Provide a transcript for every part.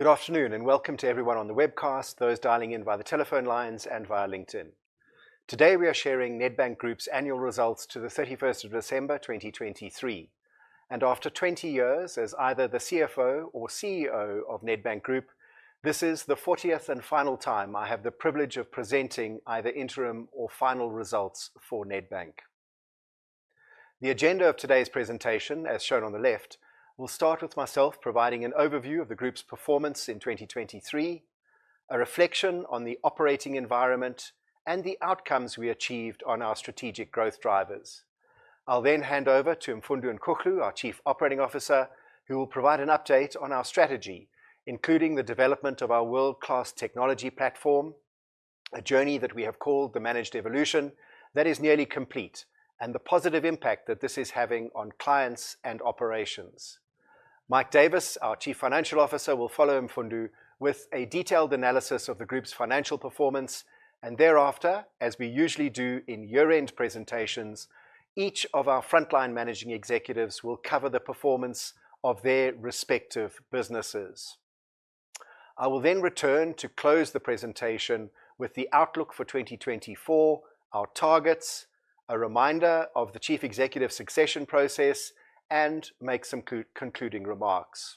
Good afternoon, and welcome to everyone on the webcast, those dialing in by the telephone lines and via LinkedIn. Today, we are sharing Nedbank Group's annual results to the 31st of December 2023. After 20 years as either the CFO or CEO of Nedbank Group, this is the 40th and final time I have the privilege of presenting either interim or final results for Nedbank. The agenda of today's presentation, as shown on the left, will start with myself providing an overview of the group's performance in 2023, a reflection on the operating environment, and the outcomes we achieved on our strategic growth drivers. I'll then hand over to Mfundo Nkuhlu, our Chief Operating Officer, who will provide an update on our strategy, including the development of our world-class technology platform, a journey that we have called the Managed Evolution, that is nearly complete, and the positive impact that this is having on clients and operations. Mike Davis, our Chief Financial Officer, will follow Mfundo with a detailed analysis of the group's financial performance, and thereafter, as we usually do in year-end presentations, each of our frontline managing executives will cover the performance of their respective businesses. I will then return to close the presentation with the outlook for 2024, our targets, a reminder of the Chief Executive succession process, and make some concluding remarks.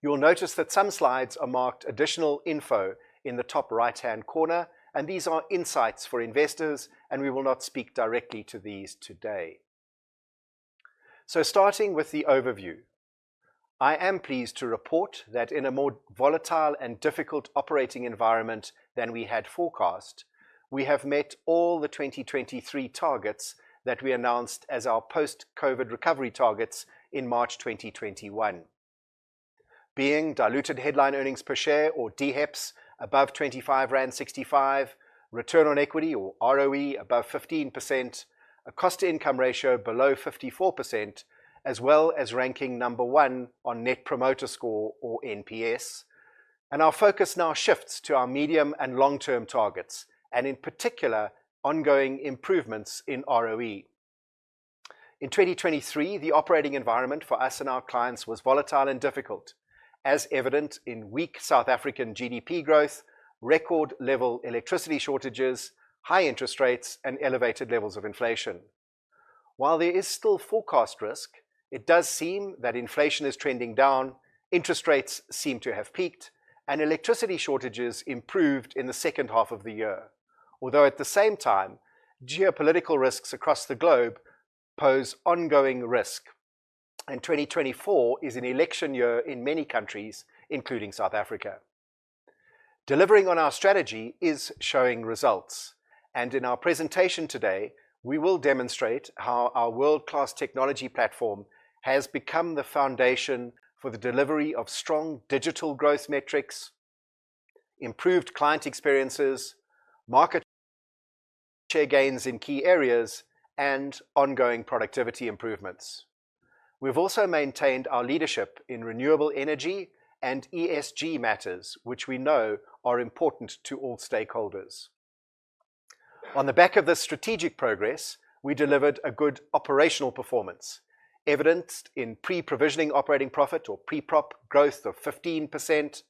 You will notice that some slides are marked additional info in the top right-hand corner, and these are insights for investors, and we will not speak directly to these today. Starting with the overview, I am pleased to report that in a more volatile and difficult operating environment than we had forecast, we have met all the 2023 targets that we announced as our post-COVID recovery targets in March 2021, being diluted headline earnings per share or DHEPS above 25.65 rand, return on equity or ROE above 15%, a cost-to-income ratio below 54%, as well as ranking number one on Net Promoter Score or NPS. Our focus now shifts to our medium- and long-term targets, and in particular, ongoing improvements in ROE. In 2023, the operating environment for us and our clients was volatile and difficult, as evident in weak South African GDP growth, record-level electricity shortages, high interest rates, and elevated levels of inflation. While there is still forecast risk, it does seem that inflation is trending down, interest rates seem to have peaked, and electricity shortages improved in the second half of the year. Although at the same time, geopolitical risks across the globe pose ongoing risk, and 2024 is an election year in many countries, including South Africa. Delivering on our strategy is showing results, and in our presentation today, we will demonstrate how our world-class technology platform has become the foundation for the delivery of strong digital growth metrics, improved client experiences, market share gains in key areas, and ongoing productivity improvements. We've also maintained our leadership in renewable energy and ESG matters, which we know are important to all stakeholders. On the back of this strategic progress, we delivered a good operational performance, evidenced in pre-provisioning operating profit or pre-prop growth of 15%,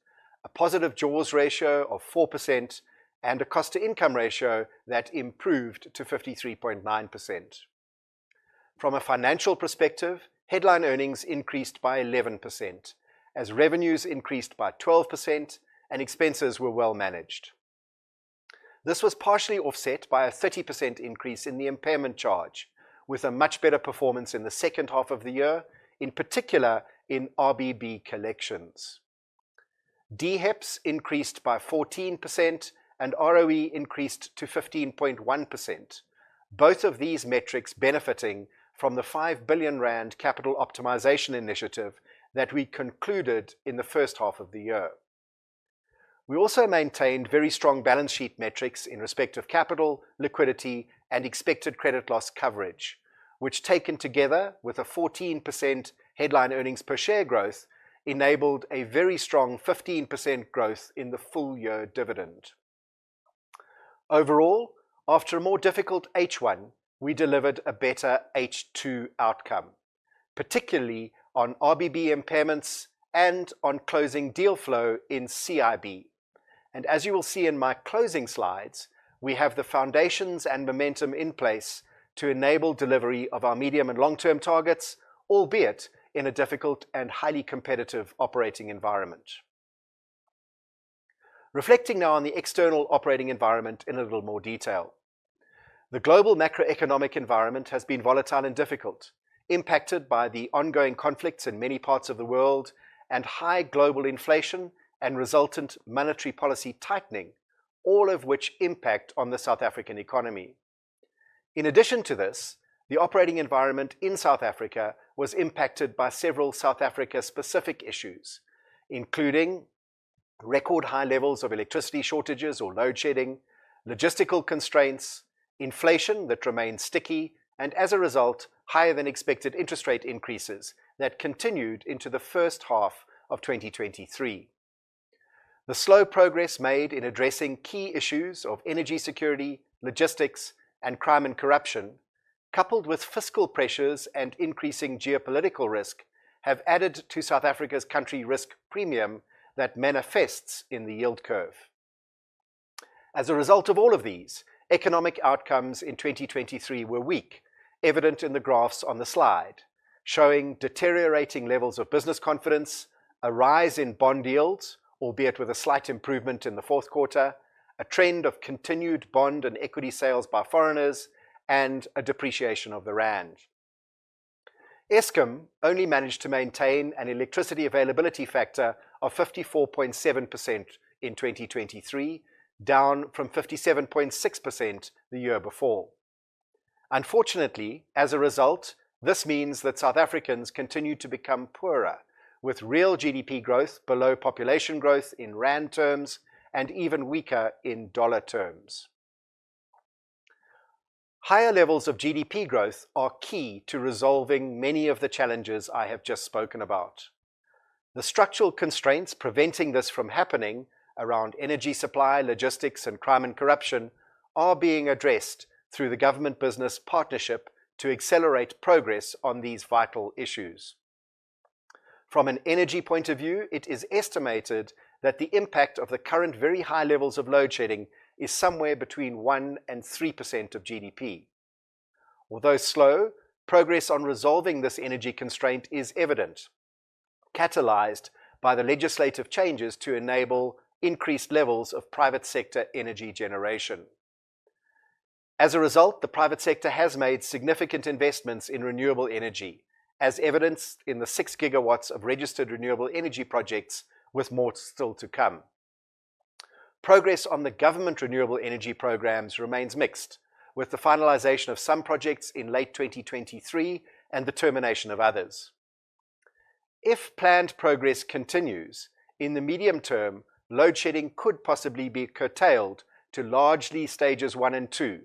a positive Jaws Ratio of 4%, and a cost-to-income ratio that improved to 53.9%. From a financial perspective, headline earnings increased by 11%, as revenues increased by 12% and expenses were well managed. This was partially offset by a 30% increase in the impairment charge, with a much better performance in the second half of the year, in particular, in RBB collections. DHEPS increased by 14% and ROE increased to 15.1%. Both of these metrics benefiting from the 5 billion rand capital optimization initiative that we concluded in the first half of the year. We also maintained very strong balance sheet metrics in respect of capital, liquidity, and expected credit loss coverage, which, taken together with a 14% headline earnings per share growth, enabled a very strong 15% growth in the full-year dividend. Overall, after a more difficult H1, we delivered a better H2 outcome, particularly on RBB impairments and on closing deal flow in CIB. As you will see in my closing slides, we have the foundations and momentum in place to enable delivery of our medium and long-term targets, albeit in a difficult and highly competitive operating environment. Reflecting now on the external operating environment in a little more detail. The global macroeconomic environment has been volatile and difficult, impacted by the ongoing conflicts in many parts of the world, and high global inflation and resultant monetary policy tightening, all of which impact on the South African economy. In addition to this, the operating environment in South Africa was impacted by several South Africa-specific issues, including record high levels of electricity shortages or load shedding, logistical constraints, inflation that remains sticky, and as a result, higher-than-expected interest rate increases that continued into the first half of 2023. The slow progress made in addressing key issues of energy security, logistics, and crime and corruption, coupled with fiscal pressures and increasing geopolitical risk, have added to South Africa's country risk premium that manifests in the yield curve. As a result of all of these, economic outcomes in 2023 were weak, evident in the graphs on the slide, showing deteriorating levels of business confidence, a rise in bond yields, albeit with a slight improvement in the fourth quarter, a trend of continued bond and equity sales by foreigners, and a depreciation of the rand. Eskom only managed to maintain an electricity availability factor of 54.7% in 2023, down from 57.6% the year before. Unfortunately, as a result, this means that South Africans continue to become poorer, with real GDP growth below population growth in rand terms and even weaker in dollar terms. Higher levels of GDP growth are key to resolving many of the challenges I have just spoken about. The structural constraints preventing this from happening around energy supply, logistics, and crime and corruption are being addressed through the government business partnership to accelerate progress on these vital issues. From an energy point of view, it is estimated that the impact of the current very high levels of load shedding is somewhere between 1%-3% of GDP. Although slow, progress on resolving this energy constraint is evident, catalyzed by the legislative changes to enable increased levels of private sector energy generation. As a result, the private sector has made significant investments in renewable energy, as evidenced in the 6 GW of registered renewable energy projects, with more still to come. Progress on the government renewable energy programs remains mixed, with the finalization of some projects in late 2023 and the termination of others. If planned progress continues, in the medium term, load shedding could possibly be curtailed to largely stages one and two,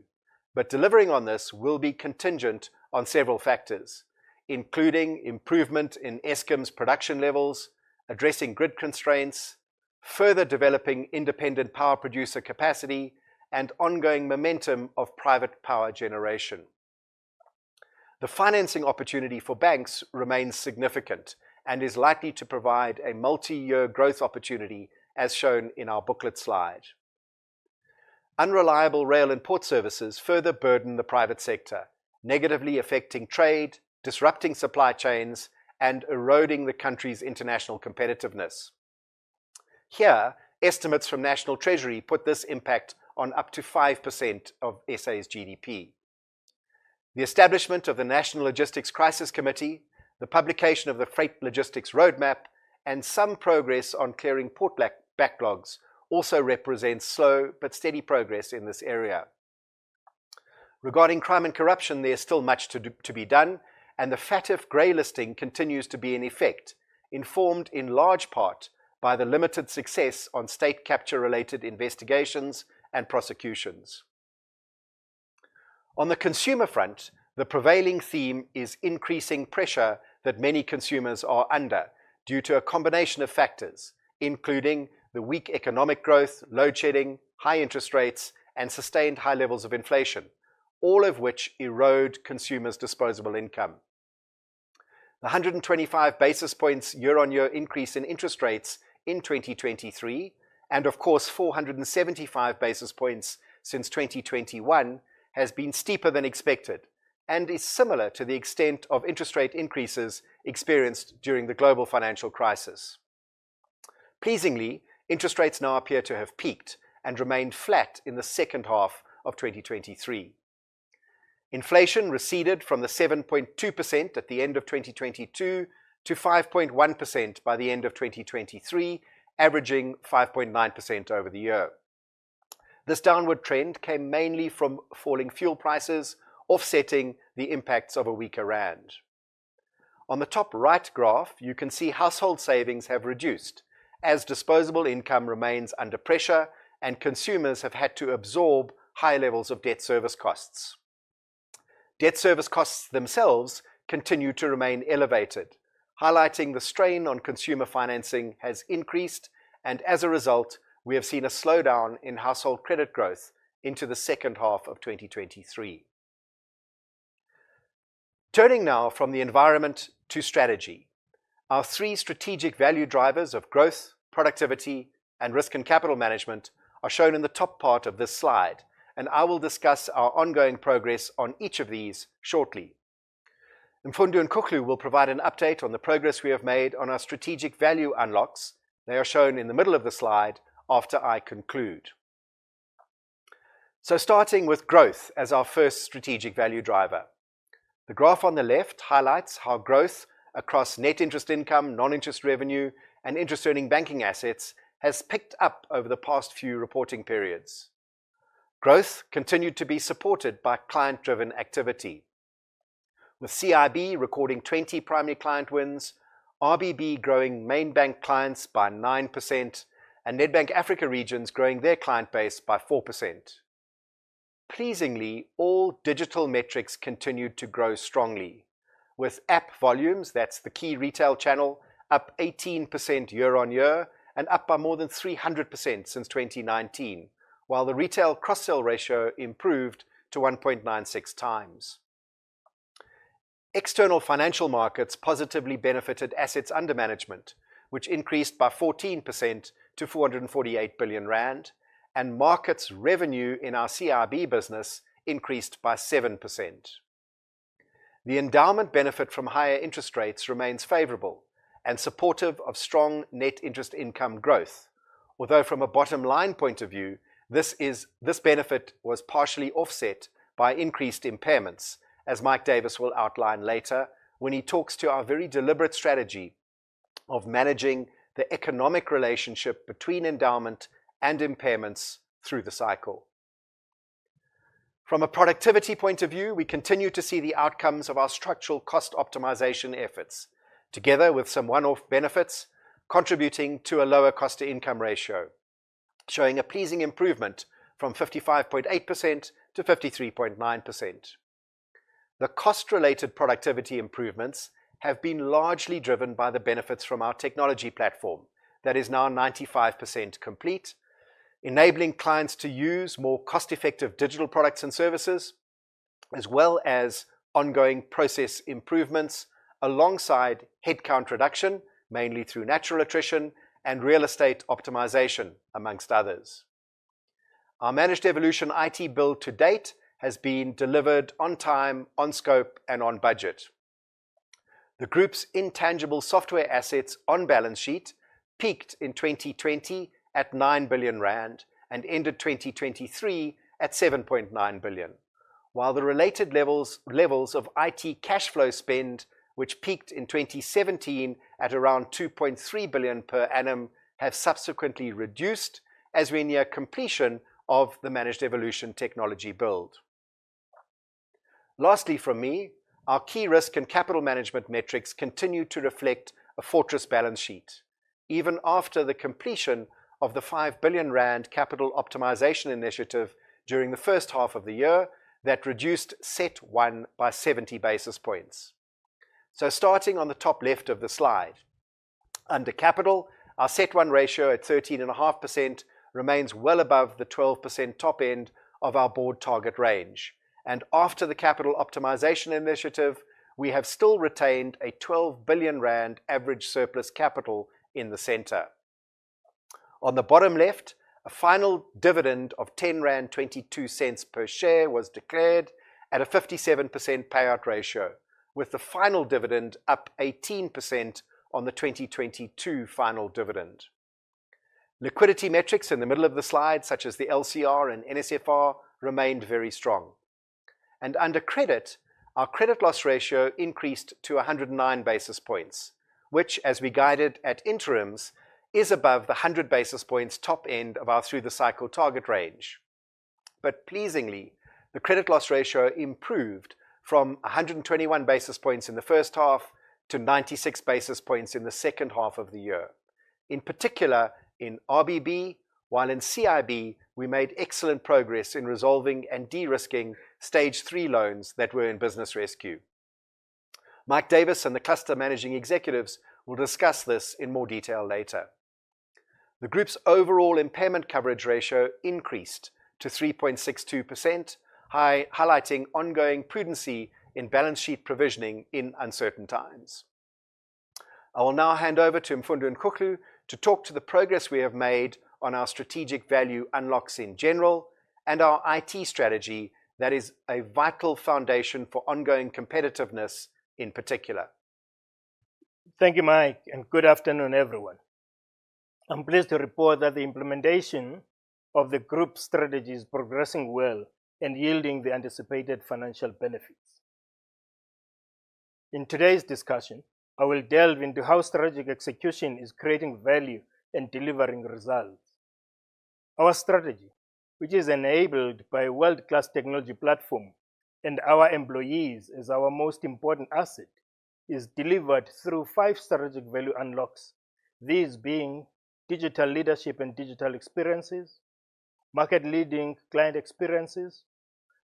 but delivering on this will be contingent on several factors, including improvement in Eskom's production levels, addressing grid constraints, further developing independent power producer capacity, and ongoing momentum of private power generation. The financing opportunity for banks remains significant and is likely to provide a multi-year growth opportunity, as shown in our booklet slide. Unreliable rail and port services further burden the private sector, negatively affecting trade, disrupting supply chains, and eroding the country's international competitiveness. Here, estimates from National Treasury put this impact on up to 5% of SA's GDP. The establishment of the National Logistics Crisis Committee, the publication of the Freight Logistics Roadmap, and some progress on clearing port backlogs also represents slow but steady progress in this area. Regarding crime and corruption, there is still much to do, to be done, and the FATF gray listing continues to be in effect, informed in large part by the limited success on state capture-related investigations and prosecutions. On the consumer front, the prevailing theme is increasing pressure that many consumers are under due to a combination of factors, including the weak economic growth, load shedding, high interest rates, and sustained high levels of inflation, all of which erode consumers' disposable income. The 125 basis points year-on-year increase in interest rates in 2023, and of course, 475 basis points since 2021, has been steeper than expected and is similar to the extent of interest rate increases experienced during the global financial crisis. Pleasingly, interest rates now appear to have peaked and remained flat in the second half of 2023. Inflation receded from the 7.2% at the end of 2022 to 5.1% by the end of 2023, averaging 5.9% over the year. This downward trend came mainly from falling fuel prices, offsetting the impacts of a weaker rand. On the top right graph, you can see household savings have reduced as disposable income remains under pressure and consumers have had to absorb high levels of debt service costs. Debt service costs themselves continue to remain elevated, highlighting the strain on consumer financing has increased, and as a result, we have seen a slowdown in household credit growth into the second half of 2023. Turning now from the environment to strategy, our three strategic value drivers of growth, productivity, and risk and capital management are shown in the top part of this slide, and I will discuss our ongoing progress on each of these shortly. Mfundo Nkuhlu will provide an update on the progress we have made on our strategic value unlocks. They are shown in the middle of the slide after I conclude. So starting with growth as our first strategic value driver, the graph on the left highlights how growth across net interest income, non-interest revenue, and interest-earning banking assets has picked up over the past few reporting periods. Growth continued to be supported by client-driven activity, with CIB recording 20 primary client wins, RBB growing main bank clients by 9%, and Nedbank Africa Regions growing their client base by 4%. Pleasingly, all digital metrics continued to grow strongly, with app volumes, that's the key retail channel, up 18% year-on-year and up by more than 300% since 2019, while the retail cross-sell ratio improved to 1.96x. External financial markets positively benefited assets under management, which increased by 14% to 448 billion rand, and markets revenue in our CIB business increased by 7%. The endowment benefit from higher interest rates remains favorable and supportive of strong net interest income growth. Although from a bottom line point of view, this benefit was partially offset by increased impairments, as Mike Davis will outline later when he talks to our very deliberate strategy of managing the economic relationship between endowment and impairments through the cycle. From a productivity point of view, we continue to see the outcomes of our structural cost optimization efforts, together with some one-off benefits, contributing to a lower cost to income ratio, showing a pleasing improvement from 55.8% to 53.9%. The cost-related productivity improvements have been largely driven by the benefits from our technology platform that is now 95% complete, enabling clients to use more cost-effective digital products and services, as well as ongoing process improvements alongside headcount reduction, mainly through natural attrition and real estate optimization, amongst others. Our Managed Evolution IT build to date has been delivered on time, on scope, and on budget. The group's intangible software assets on balance sheet peaked in 2020 at 9 billion rand and ended 2023 at 7.9 billion, while the related levels of IT cash flow spend, which peaked in 2017 at around 2.3 billion per annum, have subsequently reduced as we near completion of the Managed Evolution technology build. Lastly, from me, our key risk and capital management metrics continue to reflect a fortress balance sheet, even after the completion of the 5 billion rand capital optimization initiative during the first half of the year that reduced CET 1 by 70 basis points. So starting on the top left of the slide, under capital, our CET 1 ratio at 13.5% remains well above the 12% top end of our board target range, and after the capital optimization initiative, we have still retained a 12 billion rand average surplus capital in the center. On the bottom left, a final dividend of 10.22 rand per share was declared at a 57% payout ratio, with the final dividend up 18% on the 2022 final dividend. Liquidity metrics in the middle of the slide, such as the LCR and NSFR, remained very strong. Under credit, our credit loss ratio increased to 109 basis points, which, as we guided at interims, is above the 100 basis points top end of our through the cycle target range. But pleasingly, the credit loss ratio improved from 121 basis points in the first half to 96 basis points in the second half of the year, in particular in RBB, while in CIB, we made excellent progress in resolving and de-risking stage three loans that were in business rescue. Mike Davis and the cluster Managing Executives will discuss this in more detail later. The group's overall impairment coverage ratio increased to 3.62%, highlighting ongoing prudency in balance sheet provisioning in uncertain times. I will now hand over to Mfundo Nkuhlu to talk to the progress we have made on our strategic value unlocks in general and our IT strategy that is a vital foundation for ongoing competitiveness in particular. Thank you, Mike, and good afternoon, everyone. I'm pleased to report that the implementation of the group strategy is progressing well and yielding the anticipated financial benefits. In today's discussion, I will delve into how strategic execution is creating value and delivering results. Our strategy, which is enabled by a world-class technology platform and our employees as our most important asset, is delivered through five strategic value unlocks. These being digital leadership and digital experiences, market-leading client experiences,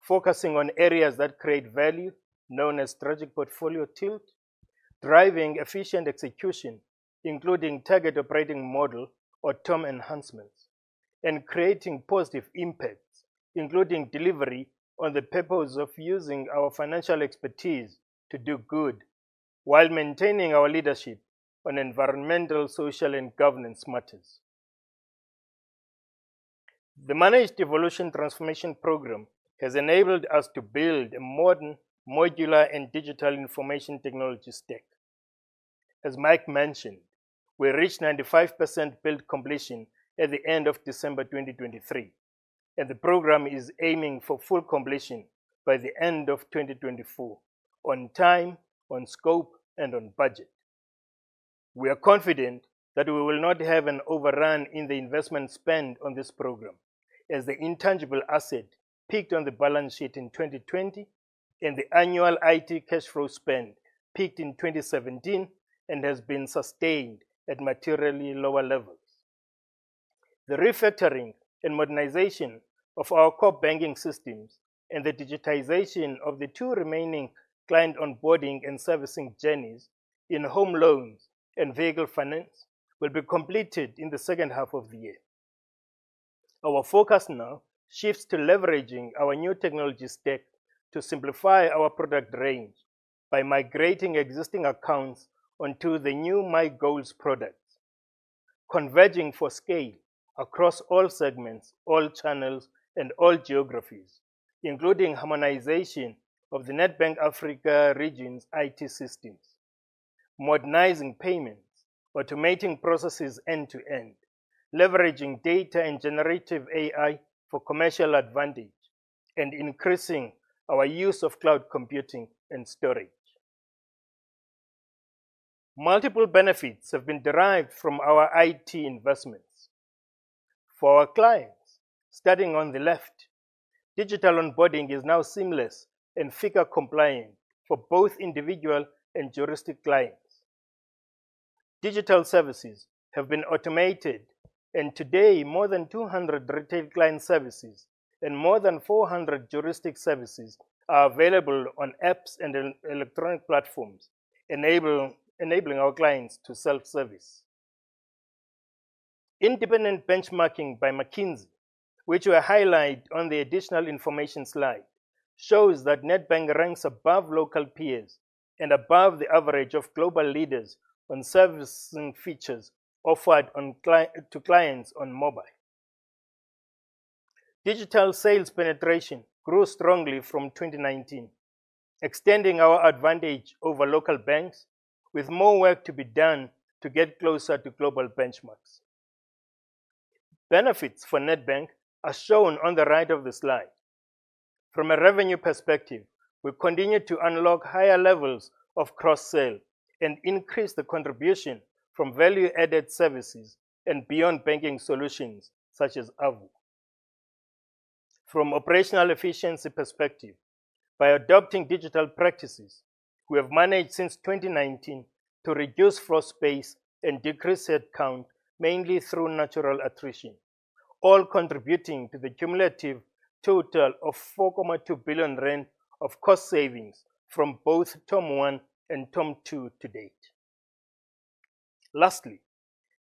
focusing on areas that create value, known as strategic portfolio tilt, driving efficient execution, including Target Operating Model or term enhancements, and creating positive impacts, including delivery on the purpose of using our financial expertise to do good while maintaining our leadership on environmental, social, and governance matters. The Managed Evolution transformation program has enabled us to build a modern, modular, and digital information technology stack. As Mike mentioned, we reached 95% build completion at the end of December 2023, and the program is aiming for full completion by the end of 2024, on time, on scope, and on budget. We are confident that we will not have an overrun in the investment spend on this program, as the intangible asset peaked on the balance sheet in 2020, and the annual IT cash flow spend peaked in 2017 and has been sustained at materially lower levels.... The refactoring and modernization of our core banking systems and the digitization of the two remaining client onboarding and servicing journeys in home loans and vehicle finance will be completed in the second half of the year. Our focus now shifts to leveraging our new technology stack to simplify our product range by migrating existing accounts onto the new MiGoals products, converging for scale across all segments, all channels, and all geographies, including harmonization of the Nedbank Africa Regions' IT systems, modernizing payments, automating processes end-to-end, leveraging data and generative AI for commercial advantage, and increasing our use of cloud computing and storage. Multiple benefits have been derived from our IT investments. For our clients, starting on the left, digital onboarding is now seamless and FICA-compliant for both individual and juristic clients. Digital services have been automated, and today, more than 200 retail client services and more than 400 juristic services are available on apps and electronic platforms, enabling our clients to self-service. Independent benchmarking by McKinsey, which we highlight on the additional information slide, shows that Nedbank ranks above local peers and above the average of global leaders on servicing features offered to clients on mobile. Digital sales penetration grew strongly from 2019, extending our advantage over local banks, with more work to be done to get closer to global benchmarks. Benefits for Nedbank are shown on the right of the slide. From a revenue perspective, we've continued to unlock higher levels of cross-sale and increase the contribution from value-added services and beyond banking solutions such as Avo. From operational efficiency perspective, by adopting digital practices, we have managed since 2019 to reduce floor space and decrease headcount, mainly through natural attrition, all contributing to the cumulative total of 4.2 billion rand of cost savings from both TOM 1 and TOM 2 to date. Lastly,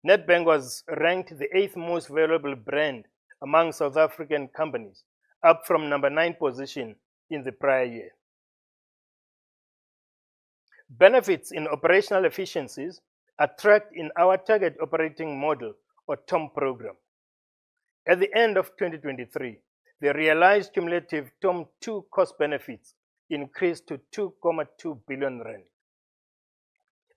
Nedbank was ranked the eighth most valuable brand among South African companies, up from ninth position in the prior year. Benefits in operational efficiencies are tracked in our Target Operating Model, or TOM program. At the end of 2023, the realized cumulative TOM 2 cost benefits increased to 2.2 billion rand.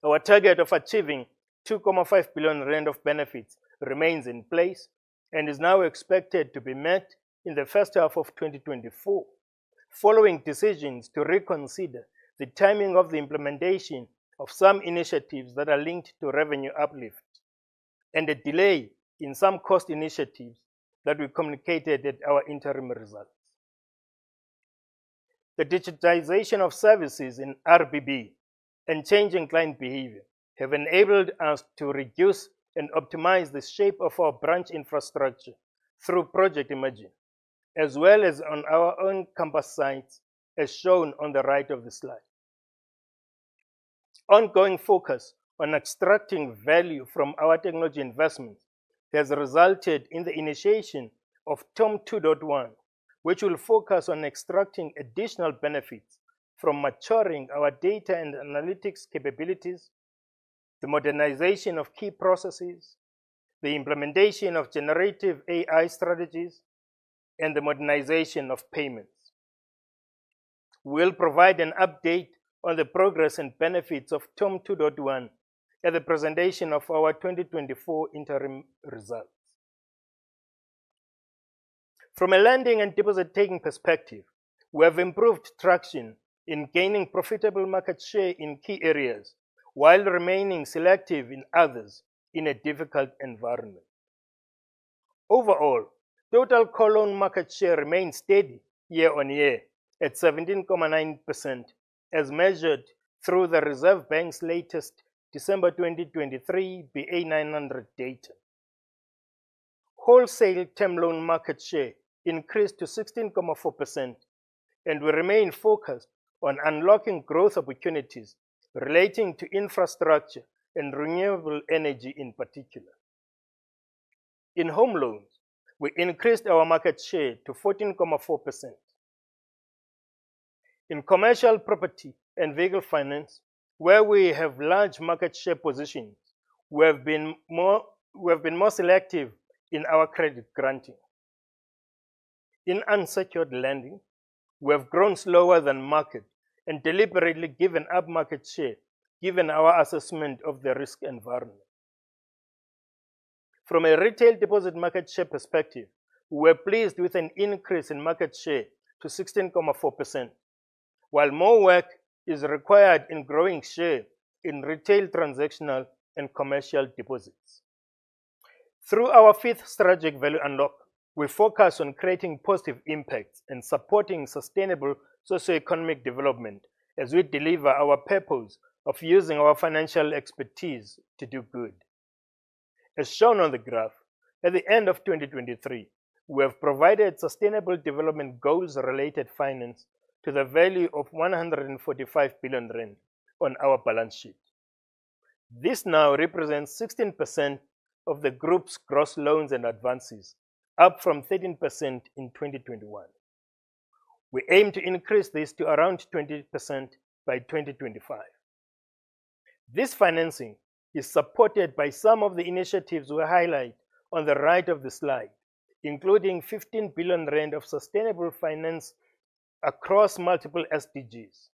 Our target of achieving 2.5 billion rand of benefits remains in place and is now expected to be met in the first half of 2024, following decisions to reconsider the timing of the implementation of some initiatives that are linked to revenue uplift and a delay in some cost initiatives that we communicated at our interim results. The digitization of services in RBB and changing client behavior have enabled us to reduce and optimize the shape of our branch infrastructure through Project Imagine, as well as on our own campus sites, as shown on the right of the slide. Ongoing focus on extracting value from our technology investments has resulted in the initiation of TOM 2.1, which will focus on extracting additional benefits from maturing our data and analytics capabilities, the modernization of key processes, the implementation of generative AI strategies, and the modernization of payments. We'll provide an update on the progress and benefits of TOM 2.1 at the presentation of our 2024 interim results. From a lending and deposit-taking perspective, we have improved traction in gaining profitable market share in key areas while remaining selective in others in a difficult environment. Overall, total loan market share remains steady year-on-year at 17.9%, as measured through the Reserve Bank's latest December 2023 BA900 data. Wholesale term loan market share increased to 16.4%, and we remain focused on unlocking growth opportunities relating to infrastructure and renewable energy in particular. In home loans, we increased our market share to 14.4%. In commercial property and vehicle finance, where we have large market share positions, we have been more selective in our credit granting. In unsecured lending, we have grown slower than market and deliberately given up market share, given our assessment of the risk environment. From a retail deposit market share perspective, we're pleased with an increase in market share to 16.4%, while more work is required in growing share in retail, transactional, and commercial deposits. Through our fifth strategic value, we focus on creating positive impacts and supporting sustainable socio-economic development as we deliver our purpose of using our financial expertise to do good. As shown on the graph, at the end of 2023, we have provided Sustainable Development Goals related finance to the value of 145 billion rand on our balance sheet. This now represents 16% of the group's gross loans and advances, up from 13% in 2021. We aim to increase this to around 20% by 2025. This financing is supported by some of the initiatives we highlight on the right of the slide, including 15 billion rand of sustainable finance across multiple SDGs,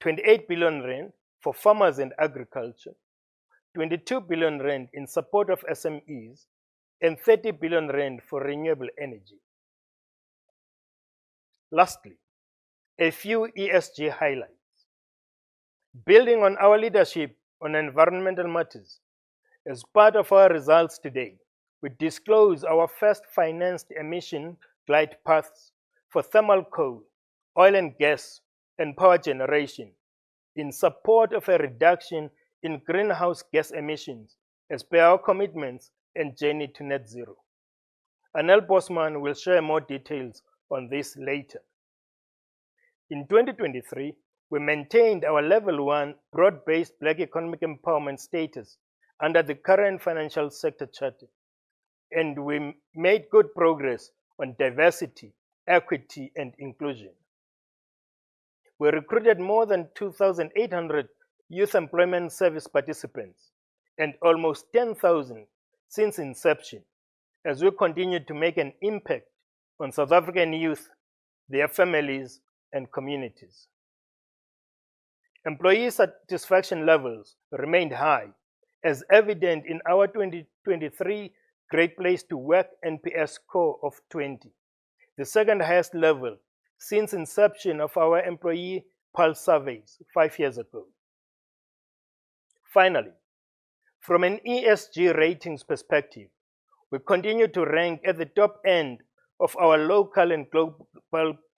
28 billion rand for farmers and agriculture, 22 billion rand in support of SMEs, and 30 billion rand for renewable energy. Lastly, a few ESG highlights. Building on our leadership on environmental matters, as part of our results today, we disclose our first financed emission glide paths for thermal coal, oil and gas, and power generation in support of a reduction in greenhouse gas emissions as per our commitments and journey to net zero. Anél Bosman will share more details on this later. In 2023, we maintained our level one broad-based black economic empowerment status under the current financial sector charter, and we made good progress on diversity, equity, and inclusion. We recruited more than 2,800 Youth Employment Service participants and almost 10,000 since inception, as we continued to make an impact on South African youth, their families, and communities. Employee satisfaction levels remained high, as evident in our 2023 Great Place to Work NPS score of 20, the second-highest level since inception of our employee pulse surveys five years ago. Finally, from an ESG ratings perspective, we continue to rank at the top end of our local and global,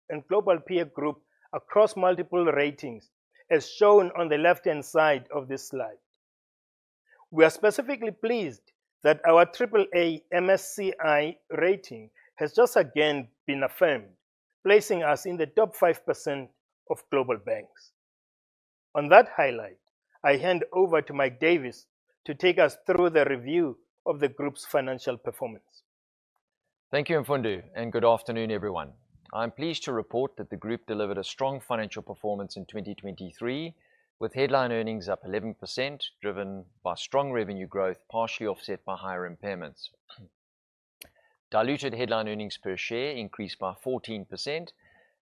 and global peer group across multiple ratings, as shown on the left-hand side of this slide. We are specifically pleased that our AAA MSCI rating has just again been affirmed, placing us in the top 5% of global banks. On that highlight, I hand over to Mike Davis to take us through the review of the group's financial performance. Thank you, Mfundo, and good afternoon, everyone. I'm pleased to report that the group delivered a strong financial performance in 2023, with headline earnings up 11%, driven by strong revenue growth, partially offset by higher impairments. Diluted headline earnings per share increased by 14%,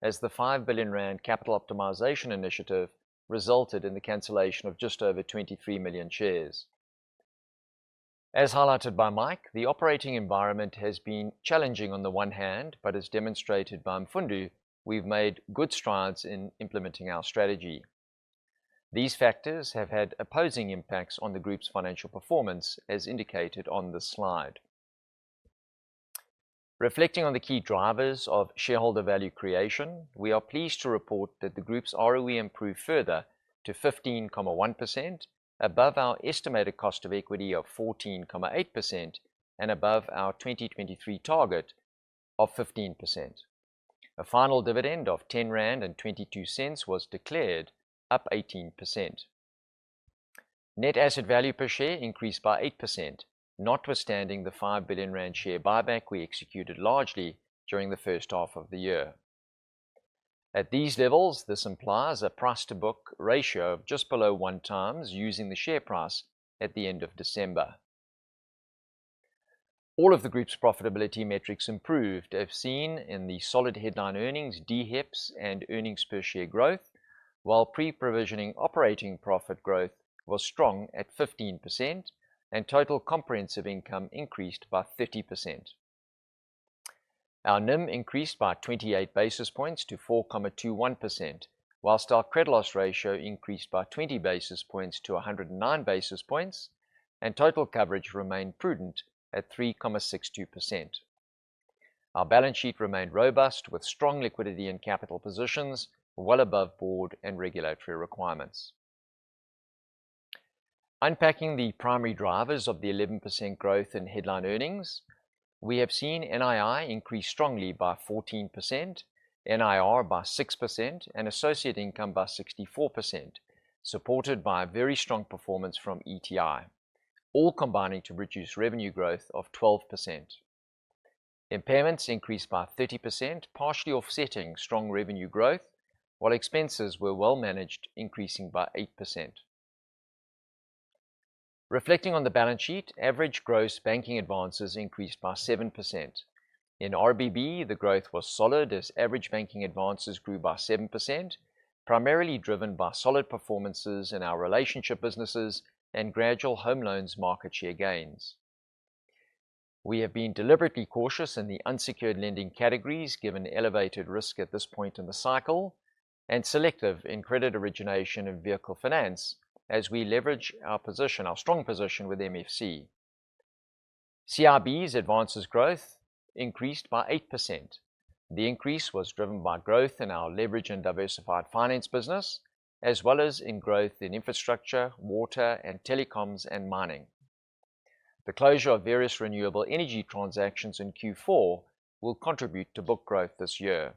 as the 5 billion rand capital optimization initiative resulted in the cancellation of just over 23 million shares. As highlighted by Mike, the operating environment has been challenging on the one hand, but as demonstrated by Mfundo, we've made good strides in implementing our strategy. These factors have had opposing impacts on the group's financial performance, as indicated on this slide. Reflecting on the key drivers of shareholder value creation, we are pleased to report that the group's ROE improved further to 15.1%, above our estimated cost of equity of 14.8% and above our 2023 target of 15%. A final dividend of 10.22 rand was declared, up 18%. Net asset value per share increased by 8%, notwithstanding the 5 billion rand share buyback we executed largely during the first half of the year. At these levels, this implies a price-to-book ratio of just below 1x using the share price at the end of December. All of the group's profitability metrics improved, as seen in the solid headline earnings, DHEPS, and earnings per share growth, while pre-provisioning operating profit growth was strong at 15%, and total comprehensive income increased by 30%. Our NIM increased by 28 basis points to 4.21%, while our credit loss ratio increased by 20 basis points to 109 basis points, and total coverage remained prudent at 3.62%. Our balance sheet remained robust, with strong liquidity and capital positions well above board and regulatory requirements. Unpacking the primary drivers of the 11% growth in headline earnings, we have seen NII increase strongly by 14%, NIR by 6%, and associate income by 64%, supported by a very strong performance from ETI, all combining to reduce revenue growth of 12%. Impairments increased by 30%, partially offsetting strong revenue growth, while expenses were well managed, increasing by 8%. Reflecting on the balance sheet, average gross banking advances increased by 7%. In RBB, the growth was solid as average banking advances grew by 7%, primarily driven by solid performances in our relationship businesses and gradual home loans market share gains. We have been deliberately cautious in the unsecured lending categories, given the elevated risk at this point in the cycle, and selective in credit origination of vehicle finance as we leverage our position, our strong position with MFC. CIB's advances growth increased by 8%. The increase was driven by growth in our leverage and diversified finance business, as well as in growth in infrastructure, water, and telecoms, and mining. The closure of various renewable energy transactions in Q4 will contribute to book growth this year.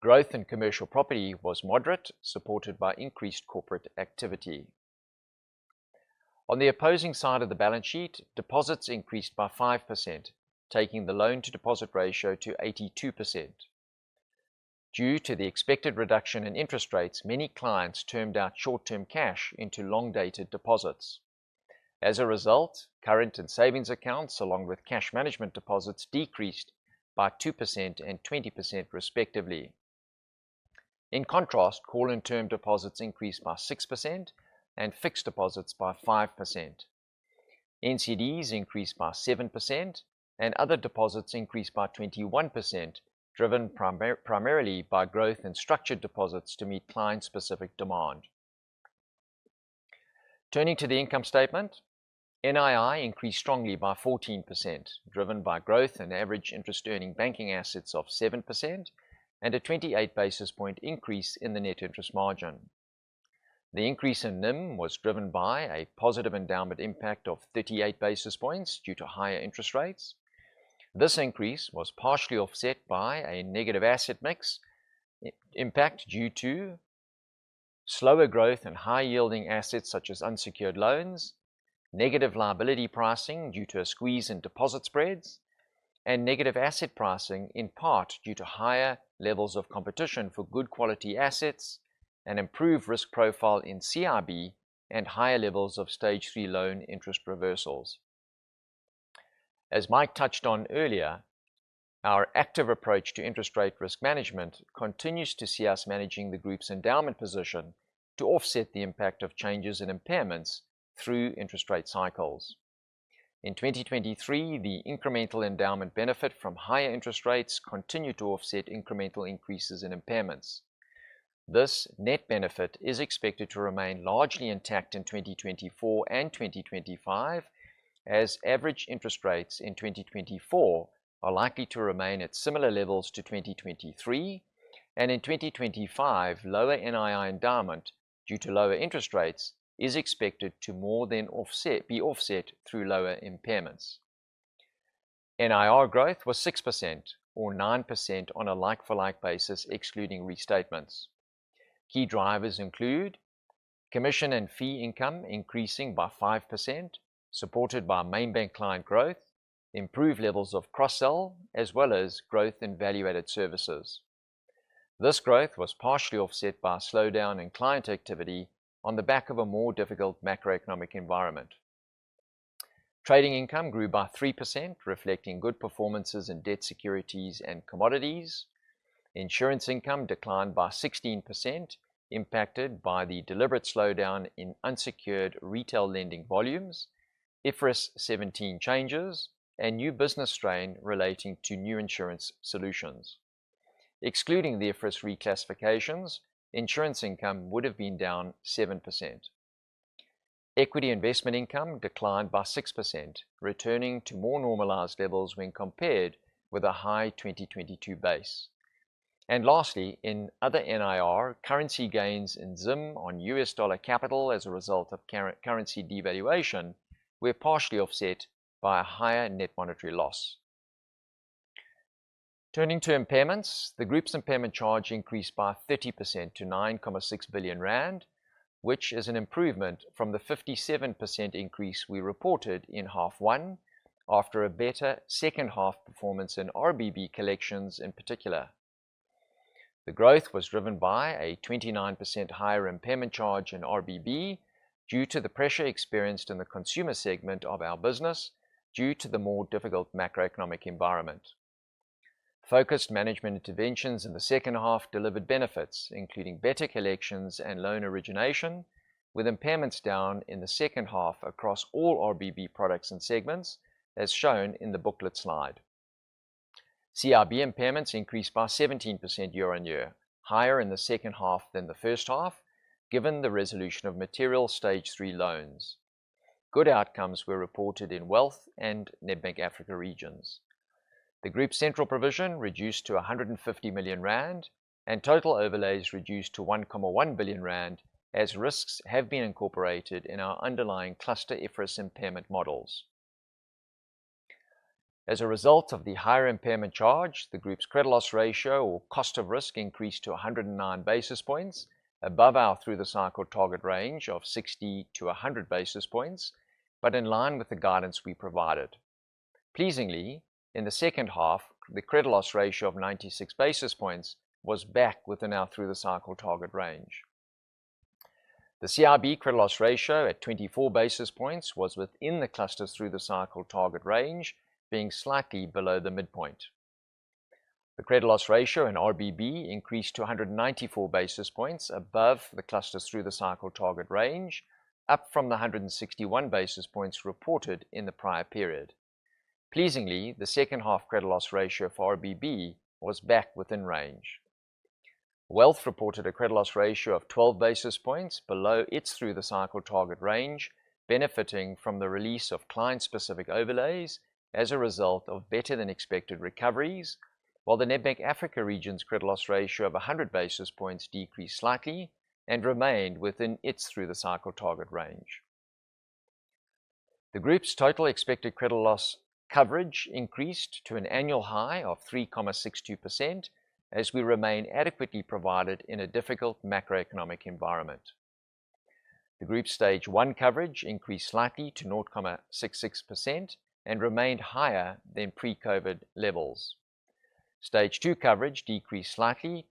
Growth in commercial property was moderate, supported by increased corporate activity. On the opposing side of the balance sheet, deposits increased by 5%, taking the loan-to-deposit ratio to 82%. Due to the expected reduction in interest rates, many clients termed out short-term cash into long-dated deposits. As a result, current and savings accounts, along with cash management deposits, decreased by 2% and 20% respectively. In contrast, call and term deposits increased by 6% and fixed deposits by 5%. NCDs increased by 7%, and other deposits increased by 21%, driven primarily by growth in structured deposits to meet client-specific demand. Turning to the income statement, NII increased strongly by 14%, driven by growth in average interest earning banking assets of 7% and a 28 basis point increase in the net interest margin. The increase in NIM was driven by a positive endowment impact of 38 basis points due to higher interest rates. This increase was partially offset by a negative asset mix impact due to slower growth in high-yielding assets, such as unsecured loans. Negative liability pricing due to a squeeze in deposit spreads. And negative asset pricing, in part due to higher levels of competition for good quality assets and improved risk profile in CIB and higher levels of Stage 3 loan interest reversals. As Mike touched on earlier, our active approach to interest rate risk management continues to see us managing the group's endowment position to offset the impact of changes in impairments through interest rate cycles. In 2023, the incremental endowment benefit from higher interest rates continued to offset incremental increases in impairments. This net benefit is expected to remain largely intact in 2024 and 2025, as average interest rates in 2024 are likely to remain at similar levels to 2023, and in 2025, lower NII endowment due to lower interest rates is expected to be offset through lower impairments. NIR growth was 6% or 9% on a like-for-like basis, excluding restatements. Key drivers include commission and fee income increasing by 5%, supported by Main Bank client growth, improved levels of cross-sell, as well as growth in value-added services. This growth was partially offset by a slowdown in client activity on the back of a more difficult macroeconomic environment. Trading income grew by 3%, reflecting good performances in debt securities and commodities. Insurance income declined by 16%, impacted by the deliberate slowdown in unsecured retail lending volumes, IFRS 17 changes, and new business strain relating to new insurance solutions. Excluding the IFRS reclassifications, insurance income would have been down 7%. Equity investment income declined by 6%, returning to more normalized levels when compared with a high 2022 base. And lastly, in other NIR, currency gains in Zim on US dollar capital as a result of currency devaluation were partially offset by a higher net monetary loss. Turning to impairments, the group's impairment charge increased by 30% to 9.6 billion rand, which is an improvement from the 57% increase we reported in half one after a better second half performance in RBB collections in particular. The growth was driven by a 29% higher impairment charge in RBB due to the pressure experienced in the consumer segment of our business due to the more difficult macroeconomic environment. Focused management interventions in the second half delivered benefits, including better collections and loan origination, with impairments down in the second half across all RBB products and segments, as shown in the booklet slide. CIB impairments increased by 17% year-on-year, higher in the second half than the first half, given the resolution of material Stage 3 loans. Good outcomes were reported in Wealth and Nedbank Africa regions. The group's central provision reduced to 150 million rand, and total overlays reduced to 1.1 billion rand, as risks have been incorporated in our underlying cluster IFRS impairment models. As a result of the higher impairment charge, the group's credit loss ratio or cost of risk increased to 109 basis points, above our through-the-cycle target range of 60-100 basis points, but in line with the guidance we provided. Pleasingly, in the second half, the credit loss ratio of 96 basis points was back within our through-the-cycle target range. The CIB credit loss ratio, at 24 basis points, was within the cluster's through-the-cycle target range, being slightly below the midpoint. The credit loss ratio in RBB increased to 194 basis points above the cluster's through-the-cycle target range, up from the 161 basis points reported in the prior period. Pleasingly, the second half credit loss ratio for RBB was back within range. Wealth reported a credit loss ratio of 12 basis points below its through-the-cycle target range, benefiting from the release of client-specific overlays as a result of better-than-expected recoveries. While the Nedbank Africa Regions' credit loss ratio of 100 basis points decreased slightly and remained within its through-the-cycle target range. The group's total expected credit loss coverage increased to an annual high of 3.62%, as we remain adequately provided in a difficult macroeconomic environment. The group stage one coverage increased slightly to 0.66% and remained higher than pre-COVID levels. Stage two coverage decreased slightly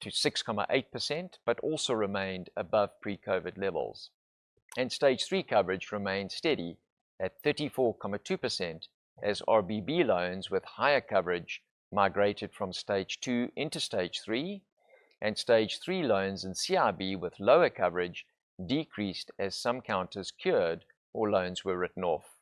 to 6.8%, but also remained above pre-COVID levels, and stage three coverage remained steady at 34.2%, as RBB loans with higher coverage migrated from stage two into stage three, and stage three loans in CIB with lower coverage decreased as some counters cured or loans were written off.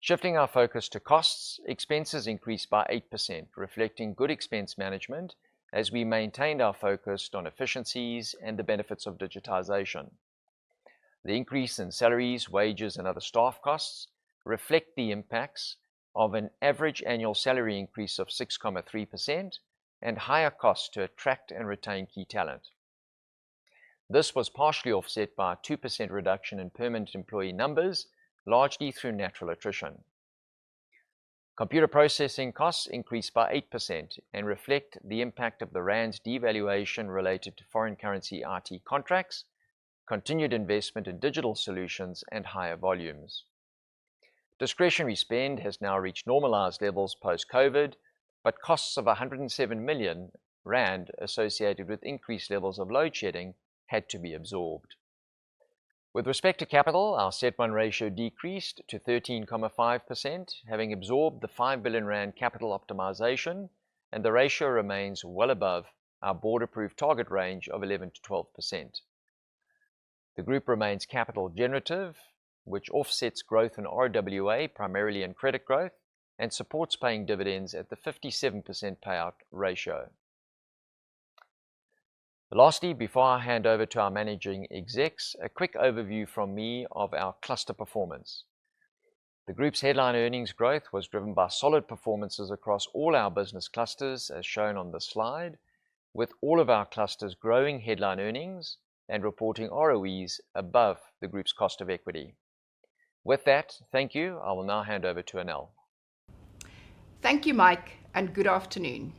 Shifting our focus to costs, expenses increased by 8%, reflecting good expense management as we maintained our focus on efficiencies and the benefits of digitization. The increase in salaries, wages, and other staff costs reflect the impacts of an average annual salary increase of 6.3% and higher costs to attract and retain key talent. This was partially offset by a 2% reduction in permanent employee numbers, largely through natural attrition. Computer processing costs increased by 8% and reflect the impact of the rand's devaluation related to foreign currency IT contracts, continued investment in digital solutions, and higher volumes. Discretionary spend has now reached normalized levels post-COVID, but costs of 107 million rand associated with increased levels of load shedding had to be absorbed. With respect to capital, our CET 1 ratio decreased to 13.5%, having absorbed the 5 billion rand capital optimization, and the ratio remains well above our board-approved target range of 11%-12%. The group remains capital generative, which offsets growth in RWA, primarily in credit growth, and supports paying dividends at the 57% payout ratio. Lastly, before I hand over to our managing execs, a quick overview from me of our cluster performance. The group's headline earnings growth was driven by solid performances across all our business clusters, as shown on the slide, with all of our clusters growing headline earnings and reporting ROEs above the group's cost of equity. With that, thank you. I will now hand over to Anél. Thank you, Mike, and good afternoon.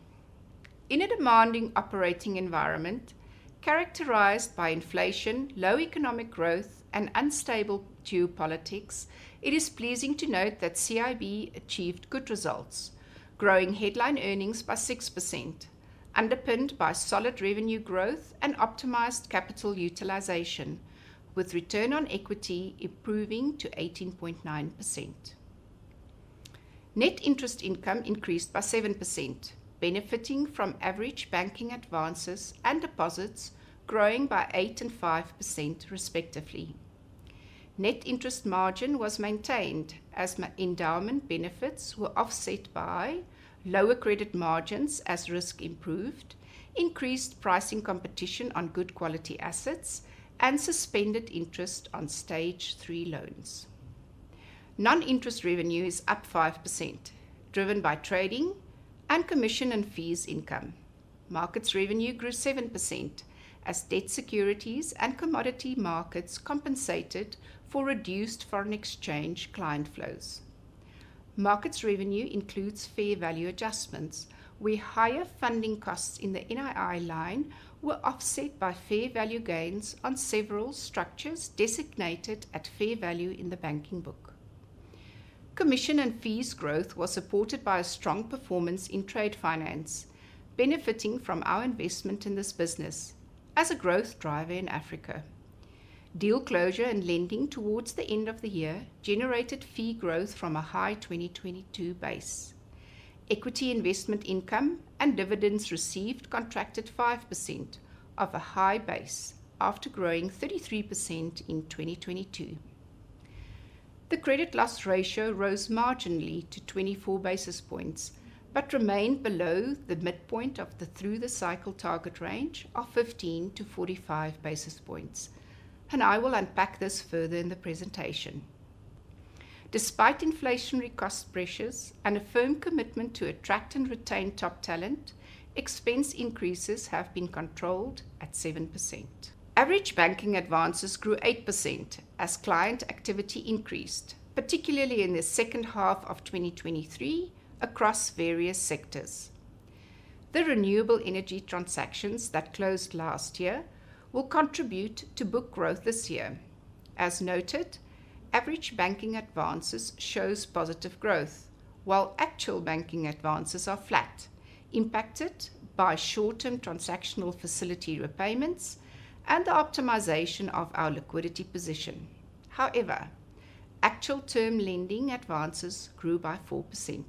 In a demanding operating environment characterized by inflation, low economic growth, and unstable geopolitics, it is pleasing to note that CIB achieved good results, growing headline earnings by 6%, underpinned by solid revenue growth and optimized capital utilization, with return on equity improving to 18.9%. Net interest income increased by 7%, benefiting from average banking advances and deposits growing by 8% and 5% respectively. Net interest margin was maintained as endowment benefits were offset by lower credit margins as risk improved, increased pricing competition on good quality assets, and suspended interest on stage three loans. Non-interest revenue is up 5%, driven by trading and commission and fees income. Markets revenue grew 7% as debt securities and commodity markets compensated for reduced foreign exchange client flows. Markets revenue includes fair value adjustments, where higher funding costs in the NII line were offset by fair value gains on several structures designated at fair value in the banking book. Commission and fees growth was supported by a strong performance in trade finance, benefiting from our investment in this business as a growth driver in Africa. Deal closure and lending towards the end of the year generated fee growth from a high 2022 base. Equity investment income and dividends received contracted 5% of a high base after growing 33% in 2022. The credit loss ratio rose marginally to 24 basis points, but remained below the midpoint of the through-the-cycle target range of 15-45 basis points, and I will unpack this further in the presentation. Despite inflationary cost pressures and a firm commitment to attract and retain top talent, expense increases have been controlled at 7%. Average banking advances grew 8% as client activity increased, particularly in the second half of 2023 across various sectors. The renewable energy transactions that closed last year will contribute to book growth this year. As noted, average banking advances shows positive growth, while actual banking advances are flat, impacted by short-term transactional facility repayments and the optimization of our liquidity position. However, actual term lending advances grew by 4%.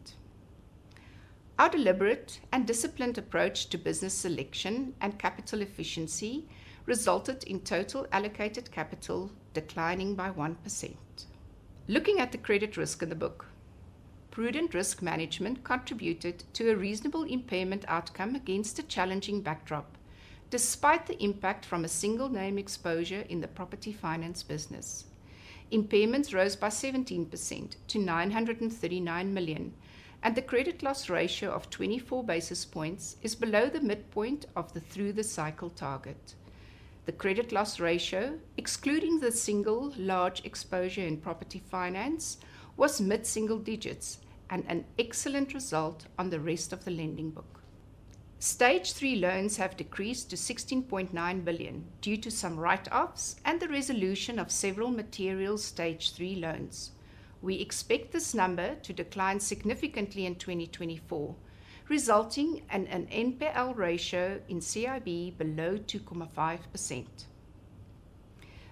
Our deliberate and disciplined approach to business selection and capital efficiency resulted in total allocated capital declining by 1%. Looking at the credit risk in the book, prudent risk management contributed to a reasonable impairment outcome against a challenging backdrop, despite the impact from a single name exposure in the property finance business. Impairments rose by 17% to 939 million, and the credit loss ratio of 24 basis points is below the midpoint of the through-the-cycle target. The credit loss ratio, excluding the single large exposure in property finance, was mid-single digits and an excellent result on the rest of the lending book. Stage three loans have decreased to 16.9 billion due to some write-offs and the resolution of several material stage three loans. We expect this number to decline significantly in 2024, resulting in an NPL ratio in CIB below 2.5%.